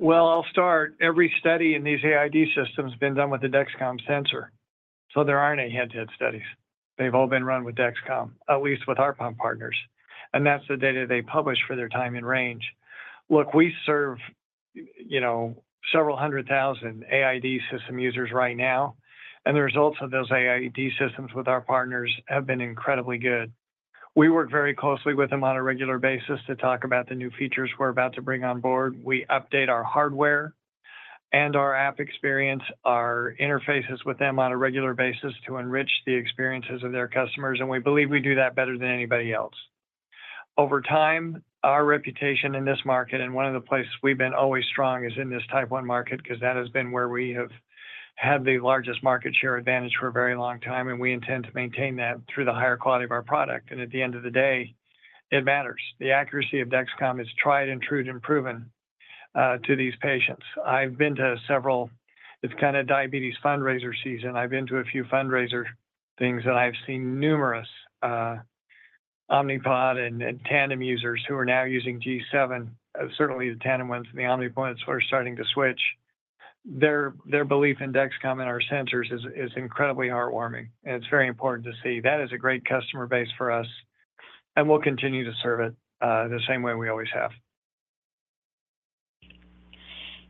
I'll start. Every study in these AID systems has been done with the Dexcom sensor, so there aren't any head-to-head studies. They've all been run with Dexcom, at least with our pump partners, and that's the data they publish for their time in range. Look, we serve, you know, several hundred thousand AID system users right now, and the results of those AID systems with our partners have been incredibly good. We work very closely with them on a regular basis to talk about the new features we're about to bring on board. We update our hardware and our app experience, our interfaces with them on a regular basis to enrich the experiences of their customers, and we believe we do that better than anybody else. Over time, our reputation in this market, and one of the places we've been always strong, is in this Type 1 market because that has been where we have had the largest market share advantage for a very long time, and we intend to maintain that through the higher quality of our product, and at the end of the day, it matters. The accuracy of Dexcom is tried and true and proven to these patients. It's kind of diabetes fundraiser season. I've been to a few fundraiser things, and I've seen numerous Omnipod and Tandem users who are now using G7. Certainly, the Tandem ones and the Omnipod are starting to switch. Their belief in Dexcom and our sensors is incredibly heartwarming. It's very important to see. That is a great customer base for us, and we'll continue to serve it, the same way we always have.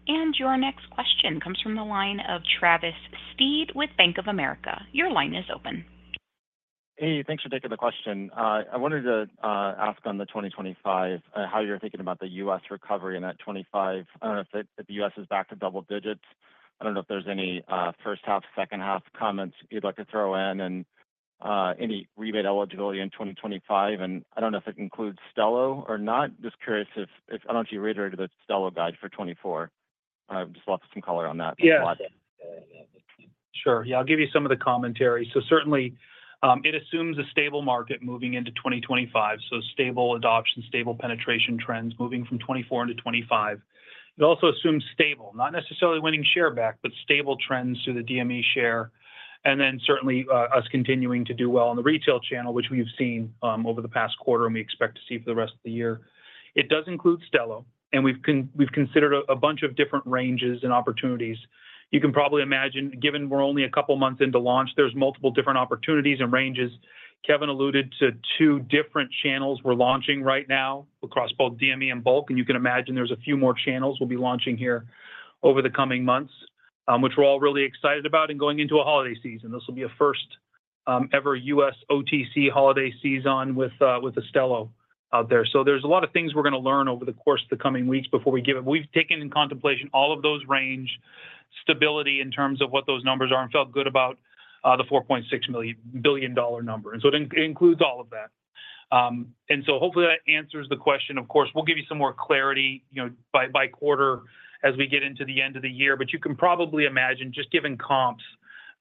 And your next question comes from the line of Travis Steed with Bank of America. Your line is open. Hey, thanks for taking the question. I wanted to ask on the 2025 how you're thinking about the U.S. recovery in that 2025. I don't know if the U.S. is back to double digits. I don't know if there's any first half, second half comments you'd like to throw in and any rebate eligibility in 2025, and I don't know if it includes Stelo or not. Just curious. I don't know if you reiterated the Stelo guide for 2024. I just wanted some color on that. Yeah. Sure. Yeah, I'll give you some of the commentary. So certainly, it assumes a stable market moving into 2025, so stable adoption, stable penetration trends moving from 2024 into 2025. It also assumes stable, not necessarily winning share back, but stable trends to the DME share, and then certainly, us continuing to do well in the retail channel, which we've seen over the past quarter, and we expect to see for the rest of the year. It does include Stelo, and we've considered a bunch of different ranges and opportunities. You can probably imagine, given we're only a couple of months into launch, there's multiple different opportunities and ranges. Kevin alluded to two different channels we're launching right now across both DME and bulk, and you can imagine there's a few more channels we'll be launching here over the coming months, which we're all really excited about and going into a holiday season. This will be a first, ever U.S. OTC holiday season with, with the Stelo out there. So there's a lot of things we're gonna learn over the course of the coming weeks before we give it. We've taken into contemplation all of those range stability in terms of what those numbers are and felt good about the $4.6 billion dollar number, and so it includes all of that. And so hopefully, that answers the question. Of course, we'll give you some more clarity, you know, by, by quarter as we get into the end of the year. But you can probably imagine, just given comps,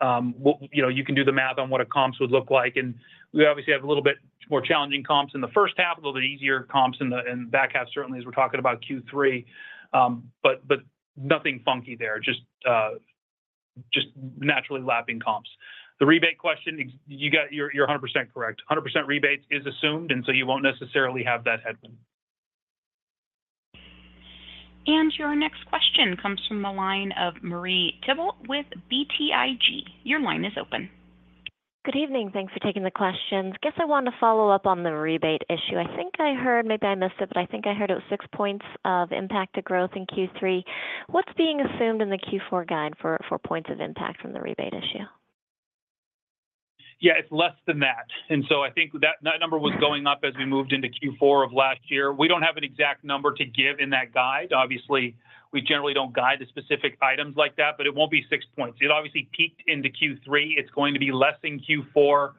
you know, you can do the math on what a comps would look like, and we obviously have a little bit more challenging comps in the first half, a little bit easier comps in the back half, certainly as we're talking about Q3. But nothing funky there, just naturally lapping comps. The rebate question, you're 100% correct. 100% rebates is assumed, and so you won't necessarily have that headwind. And your next question comes from the line of Marie Thibault with BTIG. Your line is open. Good evening. Thanks for taking the questions. Guess I want to follow up on the rebate issue. I think I heard, maybe I missed it, but I think I heard it was six points of impact to growth in Q3. What's being assumed in the Q4 guide for points of impact from the rebate issue? Yeah, it's less than that. And so I think that, that number was going up as we moved into Q4 of last year. We don't have an exact number to give in that guide. Obviously, we generally don't guide the specific items like that, but it won't be six points. It obviously peaked into Q3. It's going to be less in Q4.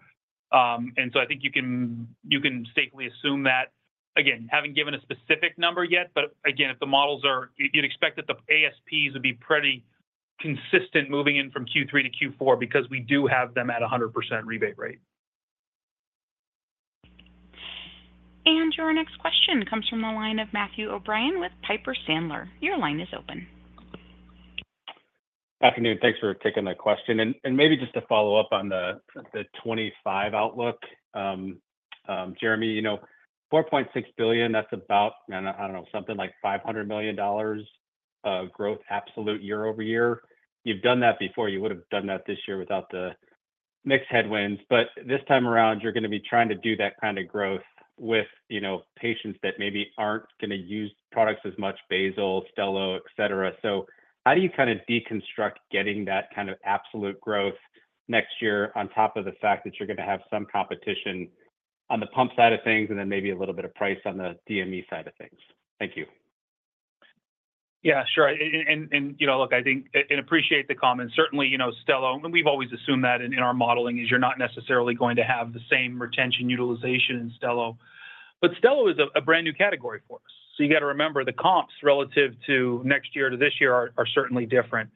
And so I think you can, you can safely assume that. Again, haven't given a specific number yet, but again, if the models are... You'd expect that the ASPs would be pretty consistent moving in from Q3 to Q4 because we do have them at a 100% rebate rate. Your next question comes from the line of Matthew O'Brien with Piper Sandler. Your line is open. Afternoon. Thanks for taking the question. Maybe just to follow up on the 2025 outlook. Jereme, you know, $4.6 billion, that's about, I don't know, something like $500 million of growth absolute year over year. You've done that before. You would have done that this year without the mix headwinds, but this time around, you're gonna be trying to do that kind of growth with, you know, patients that maybe aren't gonna use products as much, basal, Stelo, et cetera. So how do you kind of deconstruct getting that kind of absolute growth next year on top of the fact that you're gonna have some competition on the pump side of things, and then maybe a little bit of price on the DME side of things? Thank you. Yeah, sure. And you know, look, I think and appreciate the comment. Certainly, you know, Stelo, and we've always assumed that in our modeling, is you're not necessarily going to have the same retention utilization in Stelo. But Stelo is a brand-new category for us. So you got to remember, the comps relative to next year to this year are certainly different.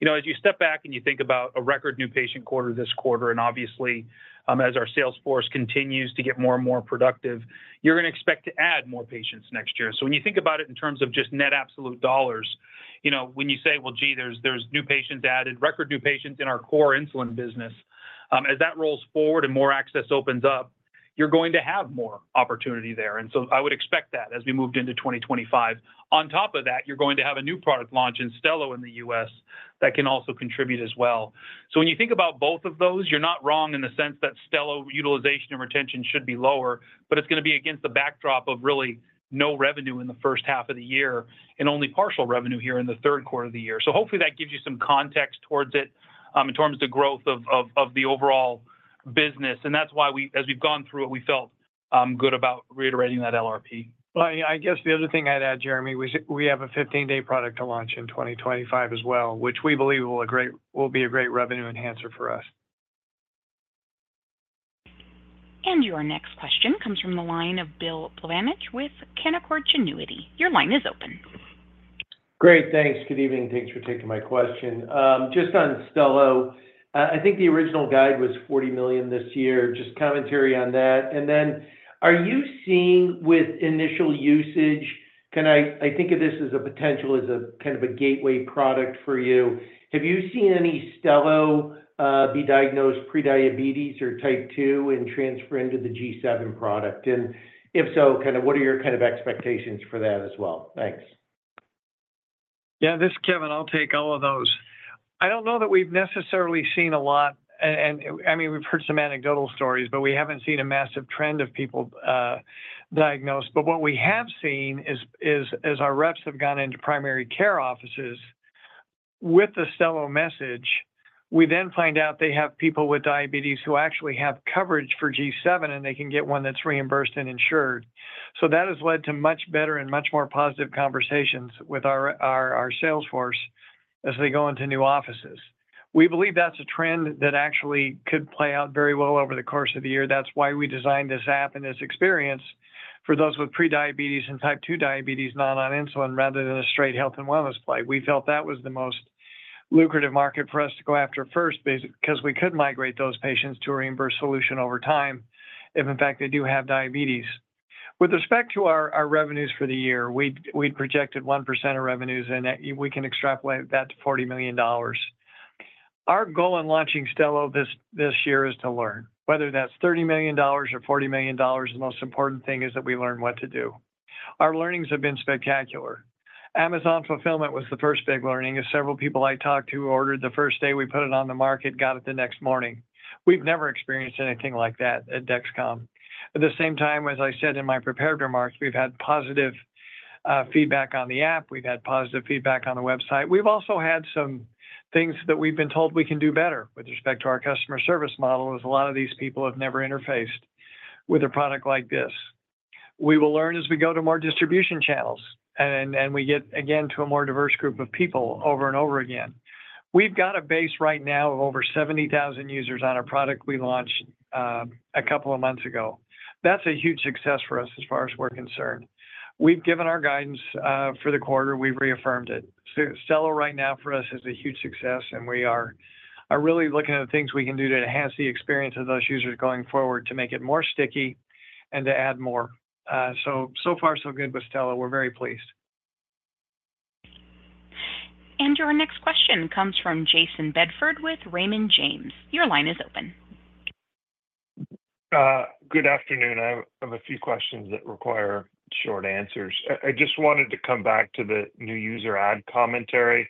You know, as you step back and you think about a record new patient quarter this quarter, and obviously, as our sales force continues to get more and more productive, you're gonna expect to add more patients next year. So when you think about it in terms of just net absolute dollars, you know, when you say, "Well, gee, there's new patients added," record new patients in our core insulin business, as that rolls forward and more access opens up, you're going to have more opportunity there. And so I would expect that as we moved into 2025. On top of that, you're going to have a new product launch in Stelo in the US that can also contribute as well. So when you think about both of those, you're not wrong in the sense that Stelo utilization and retention should be lower, but it's gonna be against the backdrop of really no revenue in the first half of the year and only partial revenue here in the third quarter of the year. So hopefully that gives you some context towards it, in terms of the growth of the overall business, and that's why we, as we've gone through it, we felt good about reiterating that LRP. I guess the other thing I'd add, Jereme, we have a 15-day product to launch in 2025 as well, which we believe will be a great revenue enhancer for us. Your next question comes from the line of Bill Plovanic with Canaccord Genuity. Your line is open. Great, thanks. Good evening, and thanks for taking my question. Just on Stelo, I think the original guide was $40 million this year. Just commentary on that. And then are you seeing with initial usage, can I think of this as a potential, as a kind of a gateway product for you. Have you seen any Stelo be diagnosed prediabetes or Type 2 and transfer into the G7 product? And if so, kind of what are your kind of expectations for that as well? Thanks. Yeah, this is Kevin. I'll take all of those. I don't know that we've necessarily seen a lot, and I mean, we've heard some anecdotal stories, but we haven't seen a massive trend of people diagnosed. But what we have seen is, as our reps have gone into primary care offices with the Stelo message, we then find out they have people with diabetes who actually have coverage for G7, and they can get one that's reimbursed and insured. So that has led to much better and much more positive conversations with our sales force as they go into new offices. We believe that's a trend that actually could play out very well over the course of the year. That's why we designed this app and this experience for those with prediabetes and Type 2 diabetes, not on insulin, rather than a straight health and wellness play. We felt that was the most lucrative market for us to go after first because we could migrate those patients to a reimbursed solution over time if, in fact, they do have diabetes. With respect to our revenues for the year, we'd projected 1% of revenues, and that we can extrapolate that to $40 million. Our goal in launching Stelo this year is to learn, whether that's $30 million or $40 million, the most important thing is that we learn what to do. Our learnings have been spectacular. Amazon fulfillment was the first big learning, as several people I talked to who ordered the first day we put it on the market, got it the next morning. We've never experienced anything like that at Dexcom. At the same time, as I said in my prepared remarks, we've had positive feedback on the app, we've had positive feedback on the website. We've also had some things that we've been told we can do better with respect to our customer service model, as a lot of these people have never interfaced with a product like this. We will learn as we go to more distribution channels and we get again to a more diverse group of people over and over again. We've got a base right now of over 70,000 users on a product we launched a couple of months ago. That's a huge success for us as far as we're concerned. We've given our guidance for the quarter, we've reaffirmed it. Stelo right now for us is a huge success, and we are really looking at things we can do to enhance the experience of those users going forward, to make it more sticky and to add more. So far so good with Stelo. We're very pleased. And our next question comes from Jayson Bedford with Raymond James. Your line is open. Good afternoon. I have a few questions that require short answers. I just wanted to come back to the new user add commentary.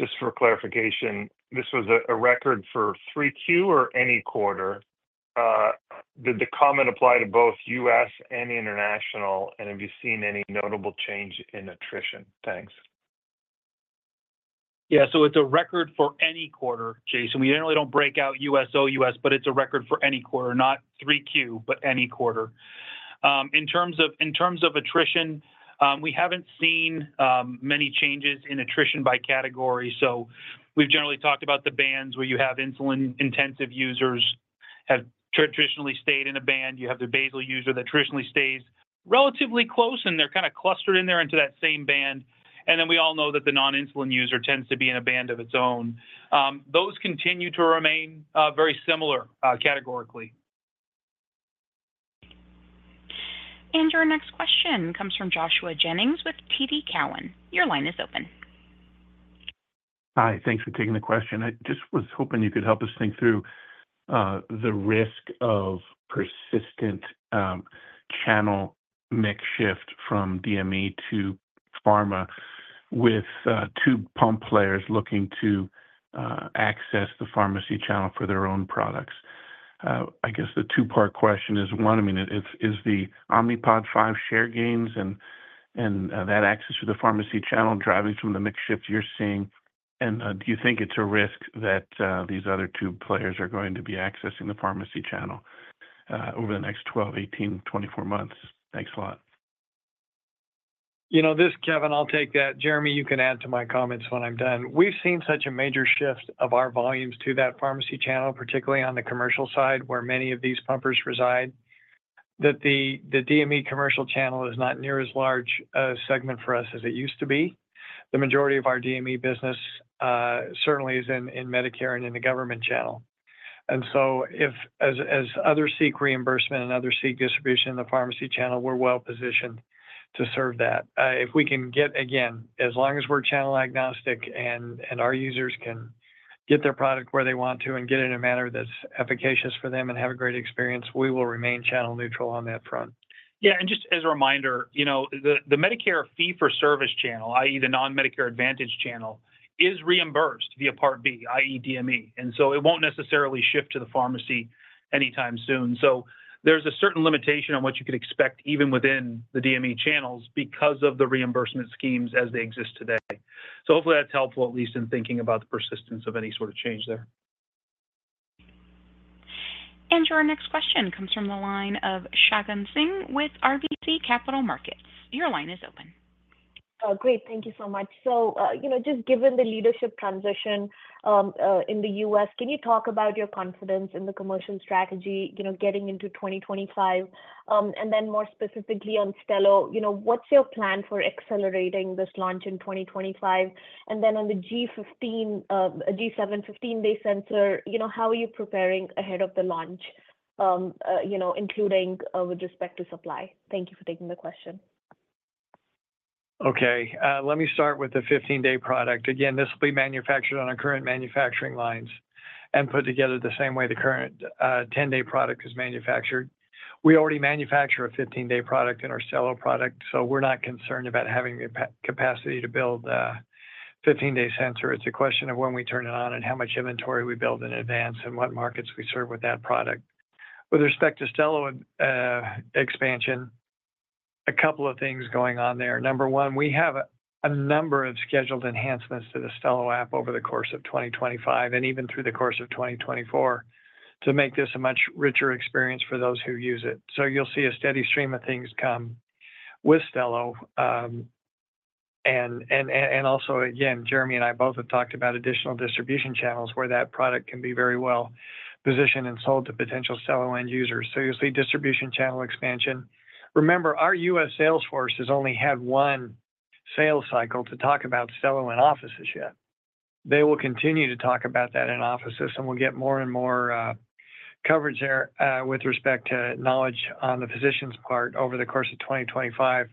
Just for clarification, this was a record for 3Q or any quarter? Did the comment apply to both U.S. and international? And have you seen any notable change in attrition? Thanks. Yeah. So it's a record for any quarter, Jason. We generally don't break out U.S., OUS, but it's a record for any quarter. Not 3Q, but any quarter. In terms of attrition, we haven't seen many changes in attrition by category. So we've generally talked about the bands where you have insulin-intensive users have traditionally stayed in a band. You have the basal user that traditionally stays relatively close, and they're kind of clustered in there into that same band. And then, we all know that the non-insulin user tends to be in a band of its own. Those continue to remain very similar categorically. Our next question comes from Joshua Jennings with TD Cowen. Your line is open. Hi. Thanks for taking the question. I just was hoping you could help us think through the risk of persistent channel mix shift from DME to pharma with two pump players looking to access the pharmacy channel for their own products. I guess the two-part question is, one, I mean, is the Omnipod 5 share gains and that access to the pharmacy channel driving the mix shift you're seeing? And do you think it's a risk that these other two players are going to be accessing the pharmacy channel over the next 12, 18, 24 months? Thanks a lot. You know this, Kevin, I'll take that. Jereme, you can add to my comments when I'm done. We've seen such a major shift of our volumes to that pharmacy channel, particularly on the commercial side, where many of these pumpers reside, that the DME commercial channel is not near as large a segment for us as it used to be. The majority of our DME business certainly is in Medicare and in the government channel. And so if as others seek reimbursement and others seek distribution in the pharmacy channel, we're well positioned to serve that. If we can get again, as long as we're channel agnostic, and our users can get their product where they want to and get it in a manner that's efficacious for them and have a great experience, we will remain channel-neutral on that front. Yeah, and just as a reminder, you know, the Medicare Fee-for-Service channel, i.e., the non-Medicare Advantage channel, is reimbursed via Part B, i.e., DME. And so it won't necessarily ship to the pharmacy anytime soon. So there's a certain limitation on what you could expect, even within the DME channels because of the reimbursement schemes as they exist today. So hopefully, that's helpful, at least in thinking about the persistence of any sort of change there. And our next question comes from the line of Shagun Singh with RBC Capital Markets. Your line is open. Great. Thank you so much. So, you know, just given the leadership transition in the U.S., can you talk about your confidence in the commercial strategy, you know, getting into 2025? And then more specifically on Stelo, you know, what's your plan for accelerating this launch in 2025? And then on the G7 15-day sensor, you know, how are you preparing ahead of the launch, you know, including with respect to supply? Thank you for taking the question. Okay, let me start with the 15-day product. Again, this will be manufactured on our current manufacturing lines and put together the same way the current, 10-day product is manufactured. We already manufacture a 15-day product in our Stelo product, so we're not concerned about having the capacity to build a 15-day sensor. It's a question of when we turn it on and how much inventory we build in advance and what markets we serve with that product. With respect to Stelo, expansion, a couple of things going on there. Number one, we have a number of scheduled enhancements to the Stelo app over the course of 2025 and even through the course of 2024, to make this a much richer experience for those who use it. So you'll see a steady stream of things come with Stelo. Also, again, Jereme and I both have talked about additional distribution channels where that product can be very well positioned and sold to potential Stelo end users. So you'll see distribution channel expansion. Remember, our U.S. sales force has only had one sales cycle to talk about Stelo in offices yet. They will continue to talk about that in offices, and we'll get more and more coverage there with respect to knowledge on the physicians' part over the course of 2025.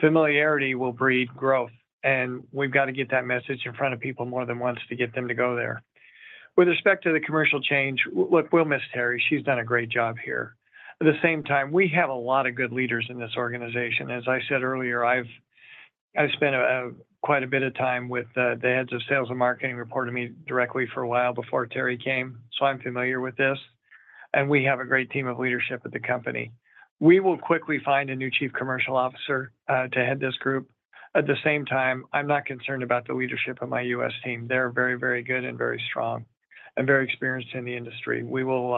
Familiarity will breed growth, and we've got to get that message in front of people more than once to get them to go there. With respect to the commercial change, look, we'll miss Teri. She's done a great job here. At the same time, we have a lot of good leaders in this organization. As I said earlier, I've spent quite a bit of time with the heads of sales and marketing reporting to me directly for a while before Teri came, so I'm familiar with this, and we have a great team of leadership at the company. We will quickly find a new Chief Commercial Officer to head this group. At the same time, I'm not concerned about the leadership of my U.S. team. They're very, very good and very strong, and very experienced in the industry. We will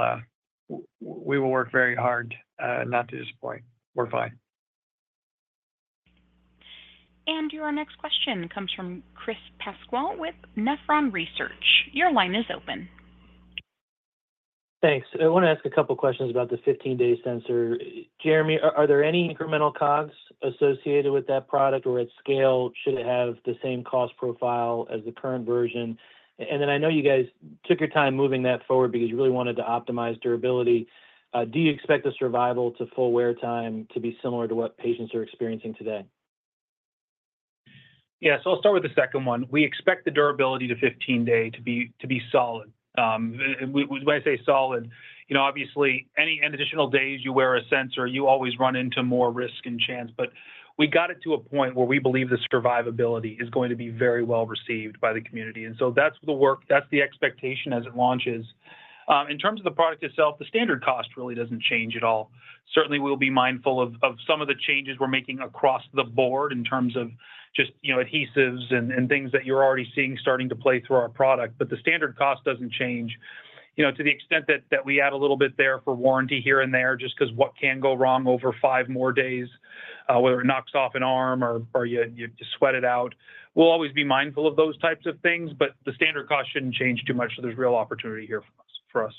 work very hard not to disappoint. We're fine. Your next question comes from Chris Pasquale with Nephron Research. Your line is open. Thanks. I want to ask a couple questions about the 15-day sensor. Jereme, are there any incremental costs associated with that product, or at scale, should it have the same cost profile as the current version? And then, I know you guys took your time moving that forward because you really wanted to optimize durability. Do you expect the survival to full wear time to be similar to what patients are experiencing today? Yeah. So I'll start with the second one. We expect the durability to 15-day to be solid. When I say solid, you know, obviously, any additional days you wear a sensor, you always run into more risk and chance. But we got it to a point where we believe the survivability is going to be very well received by the community. And so that's the work, that's the expectation as it launches. In terms of the product itself, the standard cost really doesn't change at all. Certainly, we'll be mindful of some of the changes we're making across the board in terms of just, you know, adhesives and things that you're already seeing starting to play through our product. But the standard cost doesn't change. You know, to the extent that we add a little bit there for warranty here and there, just because what can go wrong over five more days, whether it knocks off an arm or you sweat it out. We'll always be mindful of those types of things, but the standard cost shouldn't change too much, so there's real opportunity here for us.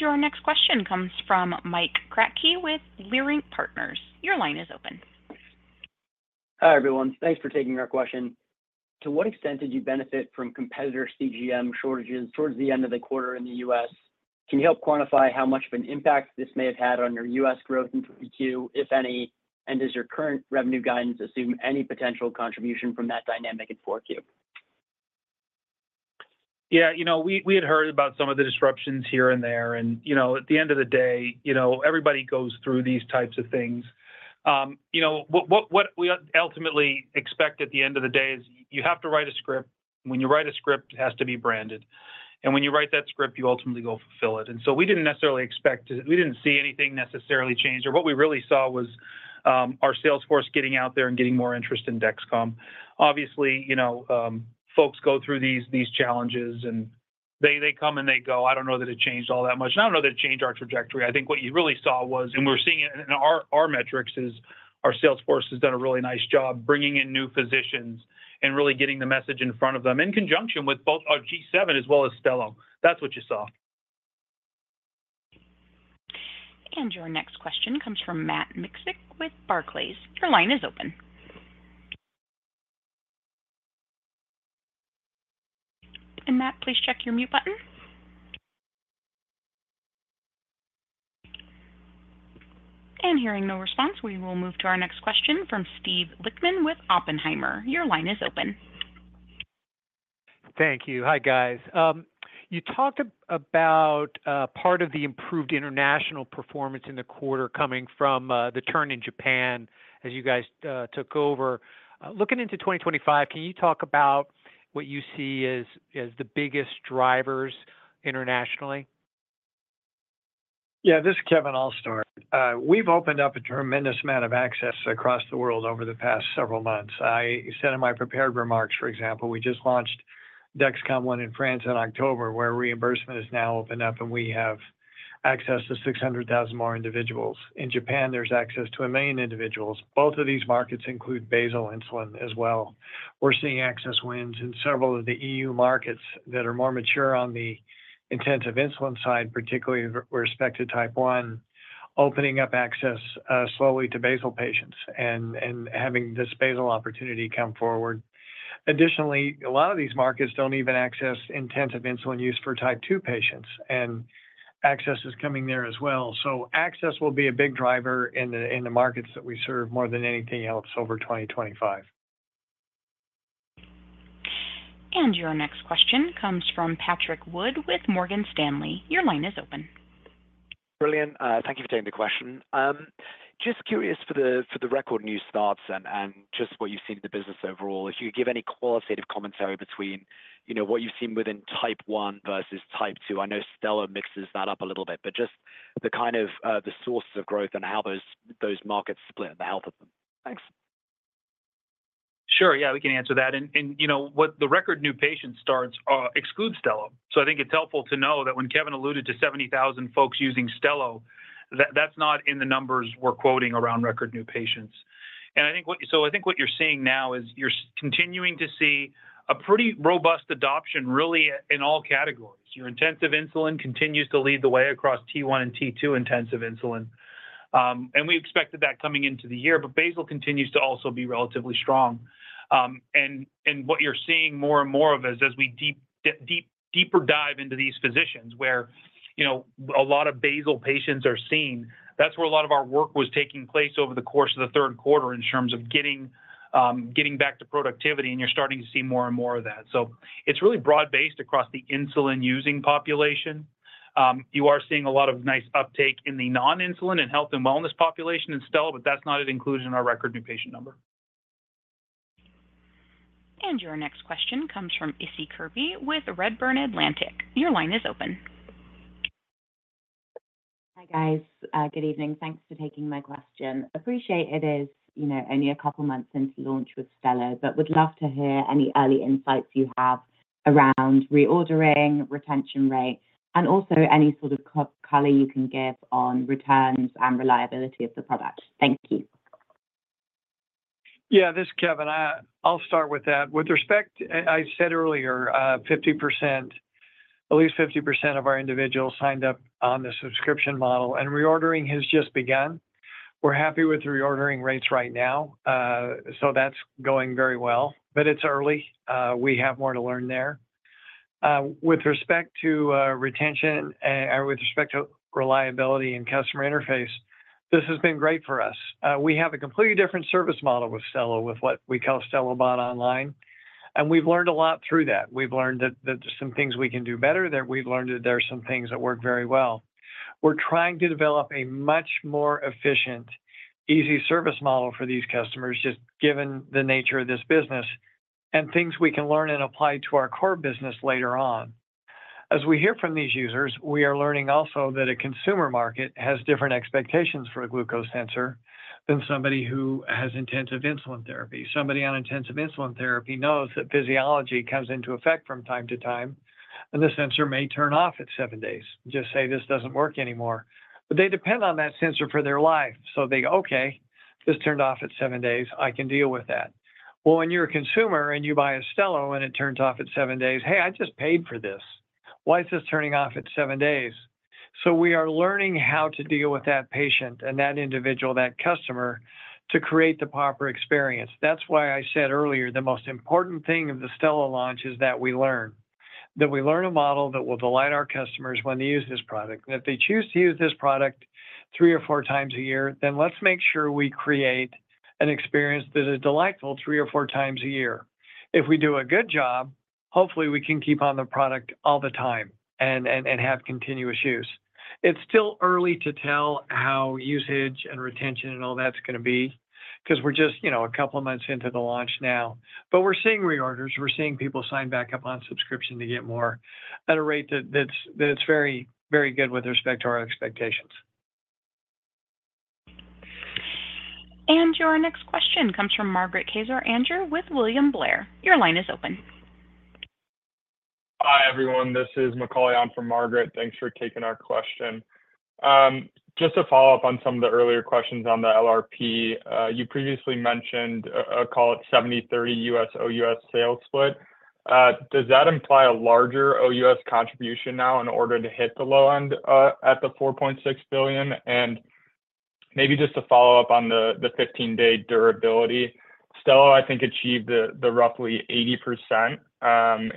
Your next question comes from Mike Kratky with Leerink Partners. Your line is open. Hi, everyone. Thanks for taking our question. To what extent did you benefit from competitor CGM shortages towards the end of the quarter in the U.S.? Can you help quantify how much of an impact this may have had on your U.S. growth in Q2, if any, and does your current revenue guidance assume any potential contribution from that dynamic in Q4? Yeah, you know, we had heard about some of the disruptions here and there, and, you know, at the end of the day, you know, everybody goes through these types of things. You know, what we ultimately expect at the end of the day is you have to write a script, and when you write a script, it has to be branded. And when you write that script, you ultimately go fulfill it. And so we didn't necessarily expect it. We didn't see anything necessarily change, or what we really saw was our sales force getting out there and getting more interest in Dexcom. Obviously, you know, folks go through these challenges, and they come, and they go. I don't know that it changed all that much, and I don't know that it changed our trajectory. I think what you really saw was, and we're seeing it in our metrics, is our sales force has done a really nice job bringing in new physicians and really getting the message in front of them in conjunction with both our G7 as well as Stelo. That's what you saw. Your next question comes from Matt Miksic with Barclays. Your line is open. And Matt, please check your mute button. And hearing no response, we will move to our next question from Steve Lichtman with Oppenheimer. Your line is open. Thank you. Hi, guys. You talked about part of the improved international performance in the quarter coming from the turn in Japan as you guys took over. Looking into 2025, can you talk about what you see as the biggest drivers internationally? Yeah, this is Kevin. I'll start. We've opened up a tremendous amount of access across the world over the past several months. I said in my prepared remarks, for example, we just launched Dexcom ONE in France in October, where reimbursement is now open up, and we have access to six hundred thousand more individuals. In Japan, there's access to a million individuals. Both of these markets include basal insulin as well. We're seeing access wins in several of the EU markets that are more mature on the intensive insulin side, particularly re-with respect to Type 1, opening up access, slowly to basal patients and having this basal opportunity come forward. Additionally, a lot of these markets don't even access intensive insulin use for Type 2 patients, and access is coming there as well. Access will be a big driver in the markets that we serve more than anything else over 2025. Your next question comes from Patrick Wood with Morgan Stanley. Your line is open. Brilliant. Thank you for taking the question. Just curious for the record new starts and just what you've seen in the business overall. If you could give any qualitative commentary between, you know, what you've seen within Type 1 versus Type 2. I know Stelo mixes that up a little bit, but just the kind of the sources of growth and how those markets split, the health of them. Thanks. Sure. Yeah, we can answer that. And, you know, what the record new patient starts excludes Stelo. So I think it's helpful to know that when Kevin alluded to 70,000 folks using Stelo, that's not in the numbers we're quoting around record new patients. And I think what you're seeing now is you're continuing to see a pretty robust adoption really in all categories. Your intensive insulin continues to lead the way across T1 and T2 intensive insulin. And we expected that coming into the year, but basal continues to also be relatively strong. What you're seeing more and more of is, as we deeper dive into these physicians, where, you know, a lot of basal patients are seen, that's where a lot of our work was taking place over the course of the third quarter in terms of getting back to productivity, and you're starting to see more and more of that. So it's really broad-based across the insulin-using population. You are seeing a lot of nice uptake in the non-insulin and health and wellness population in Stelo, but that's not included in our record new patient number. Your next question comes from Issie Kirby with Redburn Atlantic. Your line is open. Hi, guys. Good evening. Thanks for taking my question. Appreciate it is, you know, only a couple of months since launch with Stelo, but would love to hear any early insights you have around reordering, retention rate, and also any sort of color you can give on returns and reliability of the product. Thank you. ... Yeah, this is Kevin. I'll start with that. With respect, and I said earlier, 50%, at least 50% of our individuals signed up on the subscription model, and reordering has just begun. We're happy with the reordering rates right now, so that's going very well, but it's early. We have more to learn there. With respect to retention and with respect to reliability and customer interface, this has been great for us. We have a completely different service model with Stelo, with what we call SteloBot Online, and we've learned a lot through that. We've learned that there's some things we can do better, that we've learned that there are some things that work very well. We're trying to develop a much more efficient, easy service model for these customers, just given the nature of this business, and things we can learn and apply to our core business later on. As we hear from these users, we are learning also that a consumer market has different expectations for a glucose sensor than somebody who has intensive insulin therapy. Somebody on intensive insulin therapy knows that physiology comes into effect from time to time, and the sensor may turn off at seven days. Just say, "This doesn't work anymore." But they depend on that sensor for their life, so they, "Okay, this turned off at seven days. I can deal with that." Well, when you're a consumer and you buy a Stelo and it turns off at seven days, "Hey, I just paid for this. Why is this turning off at seven days?" So we are learning how to deal with that patient and that individual, that customer, to create the proper experience. That's why I said earlier, the most important thing of the Stelo launch is that we learn, that we learn a model that will delight our customers when they use this product. And if they choose to use this product three or four times a year, then let's make sure we create an experience that is delightful three or four times a year. If we do a good job, hopefully, we can keep on the product all the time and have continuous use. It's still early to tell how usage and retention and all that's gonna be 'cause we're just, you know, a couple of months into the launch now. But we're seeing reorders. We're seeing people sign back up on subscription to get more at a rate that's very, very good with respect to our expectations. Your next question comes from Margaret Kaczor Andrew with William Blair. Your line is open. Hi, everyone. This is Macaulay on for Margaret. Thanks for taking our question. Just to follow up on some of the earlier questions on the LRP. You previously mentioned a, a call at 70-30 U.S., OUS sales split. Does that imply a larger OUS contribution now in order to hit the low end, at the $4.6 billion? And maybe just to follow up on the, the 15-day durability. Stelo, I think, achieved the, the roughly 80%,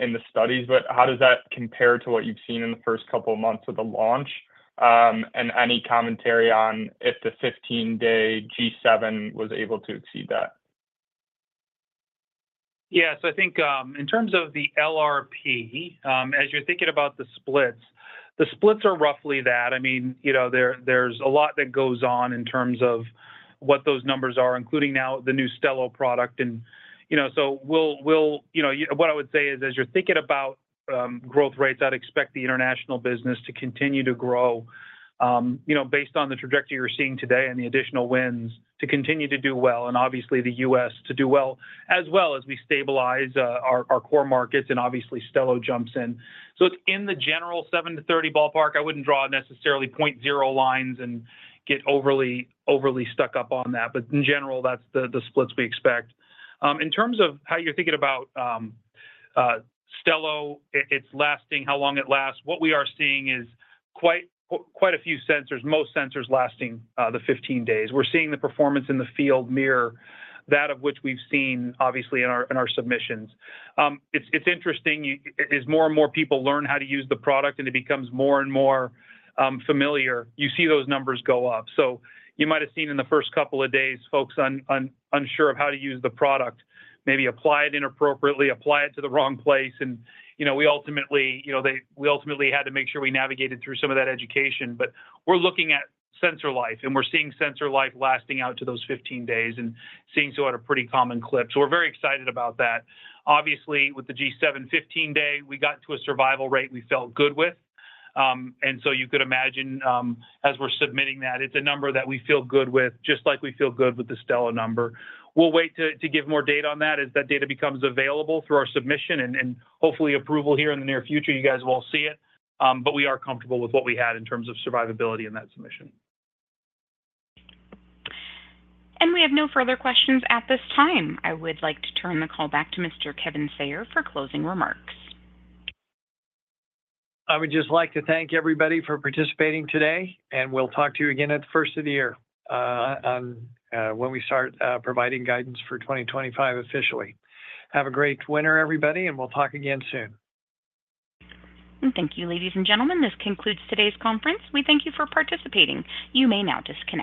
in the studies, but how does that compare to what you've seen in the first couple of months of the launch? And any commentary on if the 15-day G7 was able to exceed that? Yeah. So I think, in terms of the LRP, as you're thinking about the splits, the splits are roughly that. I mean, you know, there, there's a lot that goes on in terms of what those numbers are, including now the new Stelo product and. You know, so we'll. You know, what I would say is, as you're thinking about, growth rates, I'd expect the international business to continue to grow, you know, based on the trajectory we're seeing today and the additional wins to continue to do well, and obviously, the U.S. to do well, as well as we stabilize our core markets, and obviously, Stelo jumps in. So it's in the general seven to 30 ballpark. I wouldn't draw necessarily point zero lines and get overly stuck up on that, but in general, that's the splits we expect. In terms of how you're thinking about Stelo, it's lasting, how long it lasts, what we are seeing is quite a few sensors, most sensors lasting the 15 days. We're seeing the performance in the field mirrors that of which we've seen, obviously, in our submissions. It's interesting, as more and more people learn how to use the product and it becomes more and more familiar, you see those numbers go up, so you might have seen in the first couple of days, folks unsure of how to use the product, maybe apply it inappropriately, apply it to the wrong place, and, you know, we ultimately had to make sure we navigated through some of that education. But we're looking at sensor life, and we're seeing sensor life lasting out to those fifteen days and seeing so at a pretty common clip. So we're very excited about that. Obviously, with the G7 15-day, we got to a survival rate we felt good with. And so you could imagine, as we're submitting that, it's a number that we feel good with, just like we feel good with the Stelo number. We'll wait to give more data on that as that data becomes available through our submission and hopefully approval here in the near future. You guys will see it, but we are comfortable with what we had in terms of survivability in that submission. We have no further questions at this time. I would like to turn the call back to Mr. Kevin Sayer for closing remarks. I would just like to thank everybody for participating today, and we'll talk to you again at the first of the year, when we start providing guidance for 2025 officially. Have a great winter, everybody, and we'll talk again soon. Thank you, ladies and gentlemen. This concludes today's conference. We thank you for participating. You may now disconnect.